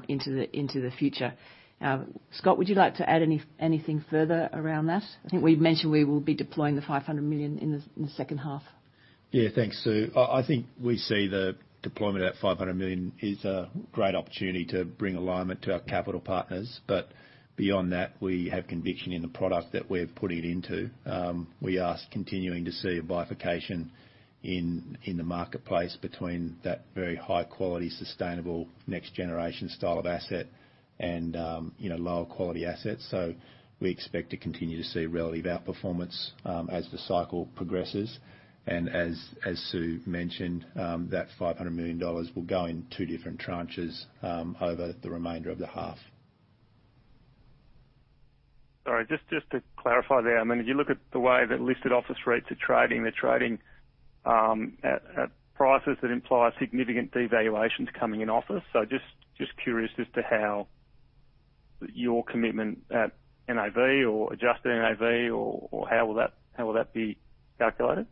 into the future. Scott, would you like to add anything further around that? I think we've mentioned we will be deploying the 500 million in the second half. Thanks, Sue. I think we see the deployment of that 500 million is a great opportunity to bring alignment to our capital partners. Beyond that, we have conviction in the product that we're putting it into. We are continuing to see a bifurcation in the marketplace between that very high quality, sustainable, next generation style of asset and, you know, lower quality assets. We expect to continue to see relative outperformance as the cycle progresses. As Sue mentioned, that 500 million dollars will go in two different tranches over the remainder of the half. Sorry, just to clarify there, I mean, if you look at the way that listed office rates are trading, they're trading at prices that imply significant devaluations coming in office, just curious as to how your commitment at NAV or adjusted NAV or how will that be calculated?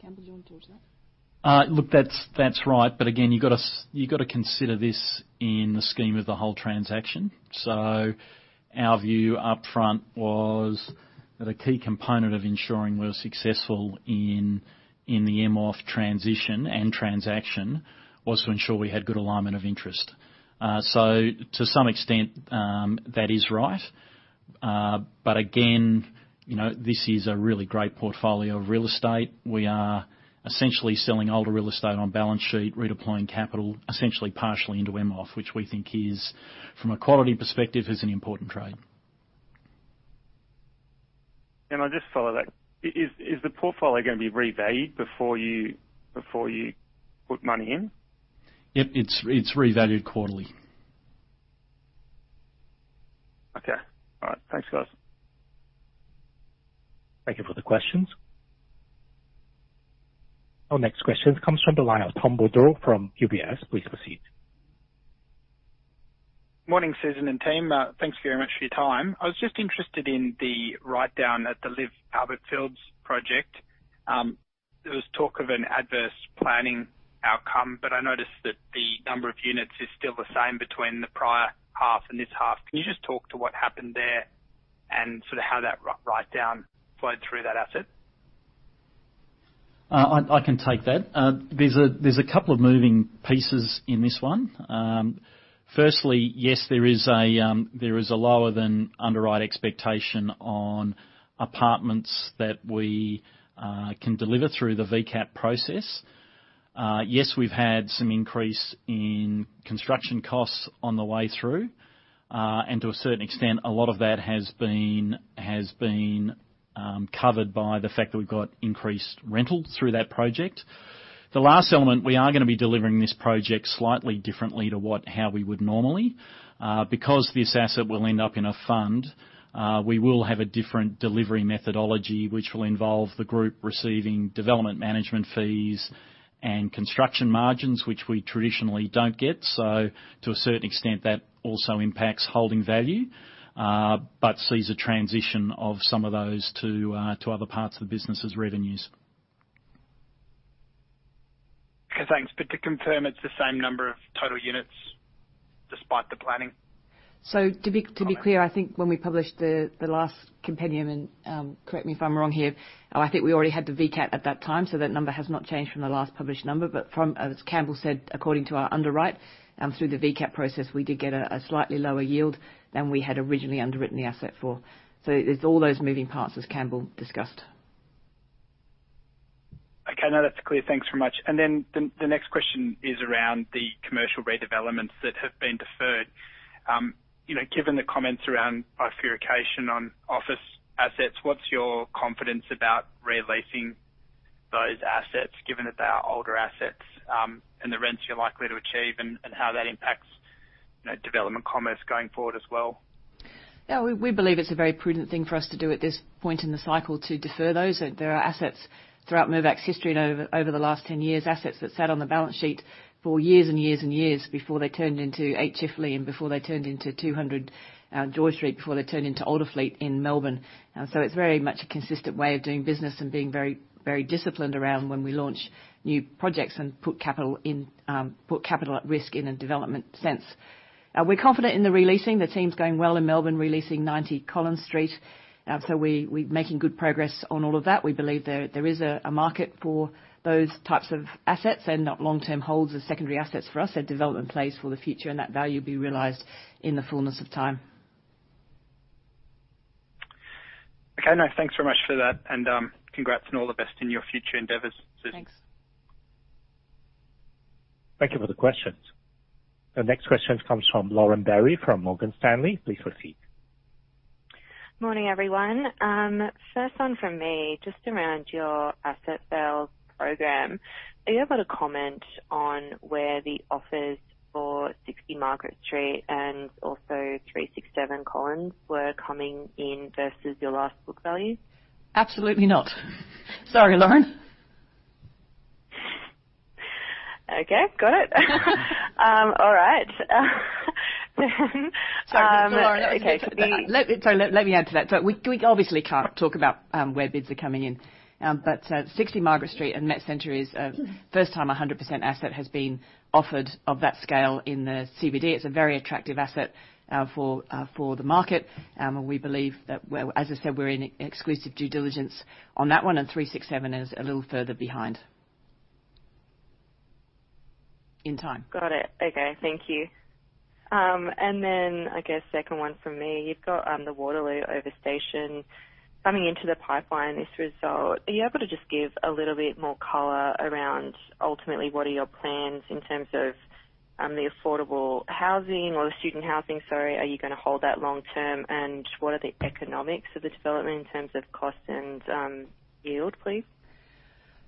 Campbell, do you want to touch that? Look, that's right. Again, you gotta consider this in the scheme of the whole transaction. Our view up front was that a key component of ensuring we were successful in the MWOF transition and transaction was to ensure we had good alignment of interest. To some extent, that is right. Again, you know, this is a really great portfolio of real estate. We are essentially selling older real estate on balance sheet, redeploying capital, essentially partially into MWOF, which we think is, from a quality perspective, is an important trade. Can I just follow that? Is the portfolio gonna be revalued before you put money in? Yep. It's revalued quarterly. Okay. All right. Thanks, guys. Thank you for the questions. Our next question comes from the line of Tom Bodor from UBS. Please proceed. Morning, Susan and team. Thanks very much for your time. I was just interested in the writedown at the LIV Albert Fields project. There was talk of an adverse planning outcome, but I noticed that the number of units is still the same between the prior half and this half. Can you just talk to what happened there and sort of how that writedown flowed through that asset? I can take that. There's a couple of moving pieces in this one. Firstly, yes, there is a lower than underwrite expectation on apartments that we can deliver through the VCAP process. Yes, we've had some increase in construction costs on the way through, and to a certain extent, a lot of that has been covered by the fact that we've got increased rental through that project. The last element, we are gonna be delivering this project slightly differently to what how we would normally. Because this asset will end up in a fund, we will have a different delivery methodology, which will involve the group receiving development management fees and construction margins, which we traditionally don't get. To a certain extent, that also impacts holding value, but sees a transition of some of those to other parts of the business as revenues. Okay, thanks. To confirm, it's the same number of total units despite the planning? To be clear, I think when we published the last compendium, and correct me if I'm wrong here, I think we already had the VCAP at that time, so that number has not changed from the last published number. From, as Campbell said, according to our underwrite, through the VCAP process, we did get a slightly lower yield than we had originally underwritten the asset for. There's all those moving parts as Campbell discussed. Okay. No, that's clear. Thanks very much. The next question is around the commercial redevelopments that have been deferred. You know, given the comments around bifurcation on office assets, what's your confidence about re-leasing those assets, given that they are older assets, and the rents you're likely to achieve and how that impacts, you know, development commerce going forward as well? We believe it's a very prudent thing for us to do at this point in the cycle to defer those. There are assets throughout Mirvac's history and over the last 10 years, assets that sat on the balance sheet for years and years and years before they turned into Eight Chifley and before they turned into 200 George Street, before they turned into Olderfleet in Melbourne. It's very much a consistent way of doing business and being very, very disciplined around when we launch new projects and put capital at risk in a development sense. We're confident in the re-leasing. The team's going well in Melbourne, re-leasing 90 Collins Street. We making good progress on all of that. We believe there is a market for those types of assets and long-term holds as secondary assets for us. They're development plays for the future and that value will be realized in the fullness of time. Okay. No, thanks very much for that. Congrats and all the best in your future endeavors. Thanks. Thank you for the questions. The next question comes from Lauren Berry from Morgan Stanley. Please proceed. Morning, everyone. First one from me, just around your asset sale program. Are you able to comment on where the offers for 60 Margaret Street and also 367 Collins were coming in versus your last book values? Absolutely not. Sorry, Lauren. Okay, got it. All right. Sorry. No, Lauren- Okay. Let me, sorry, let me add to that. We, we obviously can't talk about where bids are coming in. 60 Margaret Street and Met Centre is first time 100% asset has been offered of that scale in the CBD. It's a very attractive asset for the market. We believe that, well, as I said, we're in exclusive due diligence on that one, and 367 is a little further behind in time. Got it. Okay, thank you. I guess second one from me, you've got the Waterloo Overstation coming into the pipeline, this result. Are you able to just give a little bit more color around ultimately what are your plans in terms of the affordable housing or the student housing, sorry? Are you gonna hold that long term? What are the economics of the development in terms of cost and yield, please?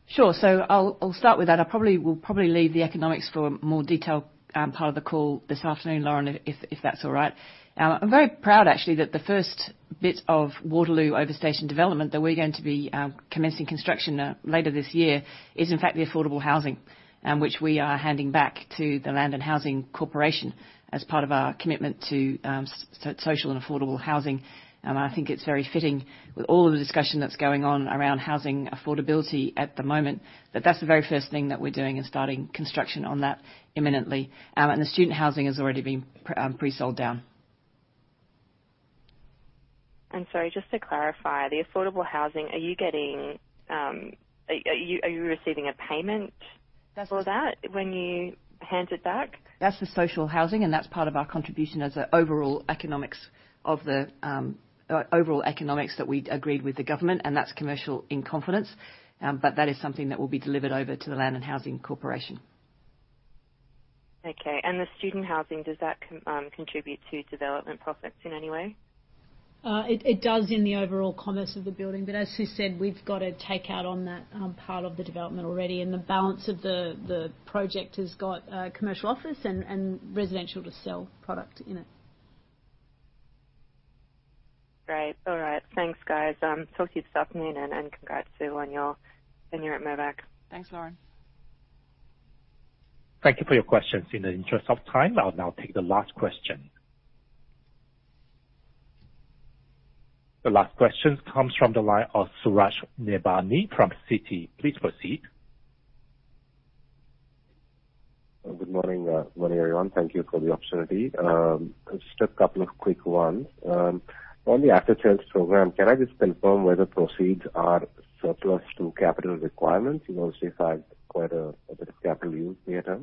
Sure. I'll start with that. we'll probably leave the economics for a more detailed part of the call this afternoon, Lauren, if that's all right. I'm very proud actually that the first bit of Waterloo Overstation development that we're going to be commencing construction later this year is in fact the affordable housing, which we are handing back to the Land and Housing Corporation as part of our commitment to social and affordable housing. I think it's very fitting with all of the discussion that's going on around housing affordability at the moment that that's the very first thing that we're doing and starting construction on that imminently. and the student housing has already been pre-sold down. I'm sorry, just to clarify, the affordable housing, are you getting, are you receiving a payment for that when you hand it back? That's the social housing. That's part of our contribution as an overall economics that we'd agreed with the government, and that's commercial in confidence. That is something that will be delivered over to the Land and Housing Corporation. Okay. The student housing, does that contribute to development profits in any way? It does in the overall commerce of the building, but as Sue said, we've got a takeout on that part of the development already, and the balance of the project has got commercial office and residential to sell product in it. Great. All right. Thanks, guys. Talk to you soon, and congrats to on your Mirvac. Thanks, Lauren. Thank you for your questions. In the interest of time, I'll now take the last question. The last question comes from the line of Suraj Nebhani from Citi. Please proceed. Good morning, everyone. Thank you for the opportunity. Just a couple of quick ones. On the after-sales program, can I just confirm whether proceeds are surplus to capital requirements? You also have quite a bit of capital use there.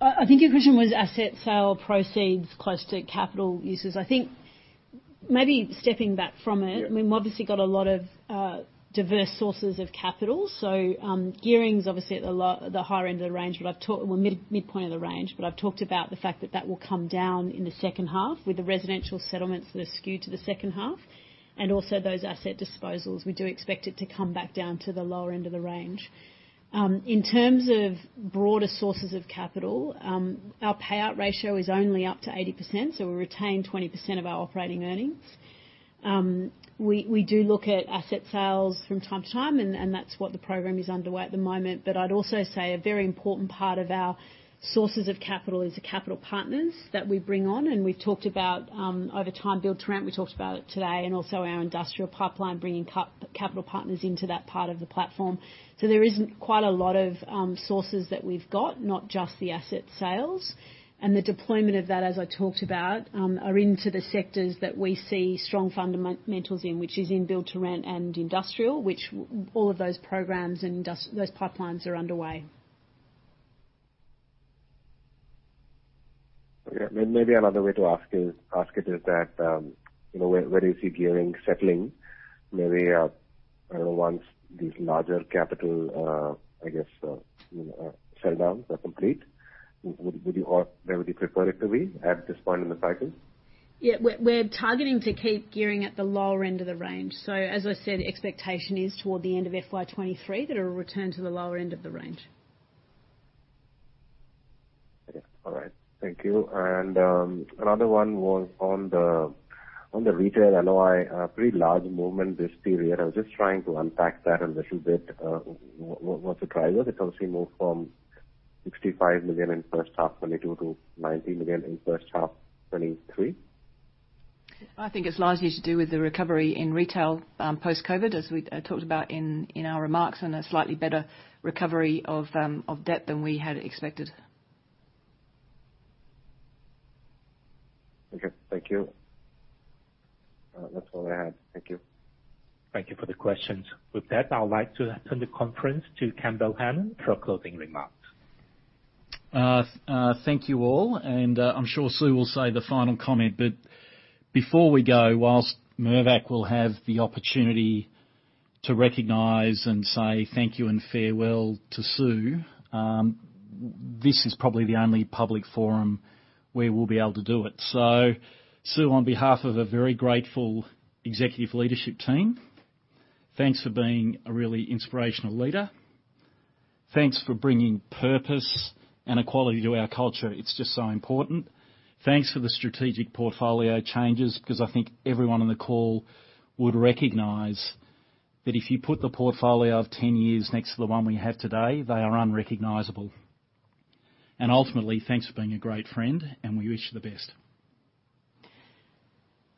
I think your question was asset sale proceeds close to capital uses. I think maybe stepping back from it. Yeah. We've obviously got a lot of diverse sources of capital. Gearing's obviously at the higher end of the range, but Well, midpoint of the range, but I've talked about the fact that that will come down in the second half with the residential settlements that are skewed to the second half and also those asset disposals. We do expect it to come back down to the lower end of the range. In terms of broader sources of capital, our payout ratio is only up to 80%, so we retain 20% of our operating earnings. We do look at asset sales from time to time, and that's what the program is underway at the moment. I'd also say a very important part of our sources of capital is the capital partners that we bring on, and we've talked about over time, build-to-rent, we talked about it today and also our industrial pipeline, bringing capital partners into that part of the platform. There is quite a lot of sources that we've got, not just the asset sales. The deployment of that, as I talked about, are into the sectors that we see strong fundamentals in, which is in build-to-rent and industrial, which all of those programs and those pipelines are underway. Okay. Maybe another way to ask it is that, you know, where do you see gearing settling, maybe, once these larger capital, I guess, you know, sell downs are complete? Would you or where would you prefer it to be at this point in the cycle? Yeah. We're targeting to keep gearing at the lower end of the range. As I said, expectation is toward the end of FY 2023, that it'll return to the lower end of the range. Okay. All right. Thank you. Another one was on the, on the retail NOI, a pretty large movement this period. I was just trying to unpack that a little bit. What's the driver? It's obviously moved from 65 million in first half 2022 to 19 million in first half 2023. I think it's largely to do with the recovery in retail, post-COVID, as we talked about in our remarks, and a slightly better recovery of debt than we had expected. Okay. Thank you. That's all I have. Thank you. Thank you for the questions. With that, I'd like to hand the conference to Campbell Hanan for closing remarks. Thank you all, I'm sure Sue will say the final comment, but before we go, whilst Mirvac will have the opportunity to recognize and say thank you and farewell to Sue, this is probably the only public forum where we'll be able to do it. Sue, on behalf of a very grateful executive leadership team, thanks for being a really inspirational leader. Thanks for bringing purpose and equality to our culture. It's just so important. Thanks for the strategic portfolio changes because I think everyone on the call would recognize that if you put the portfolio of 10 years next to the one we have today, they are unrecognizable. Ultimately, thanks for being a great friend, and we wish you the best.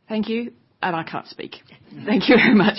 Thank you. I can't speak. Thank you very much.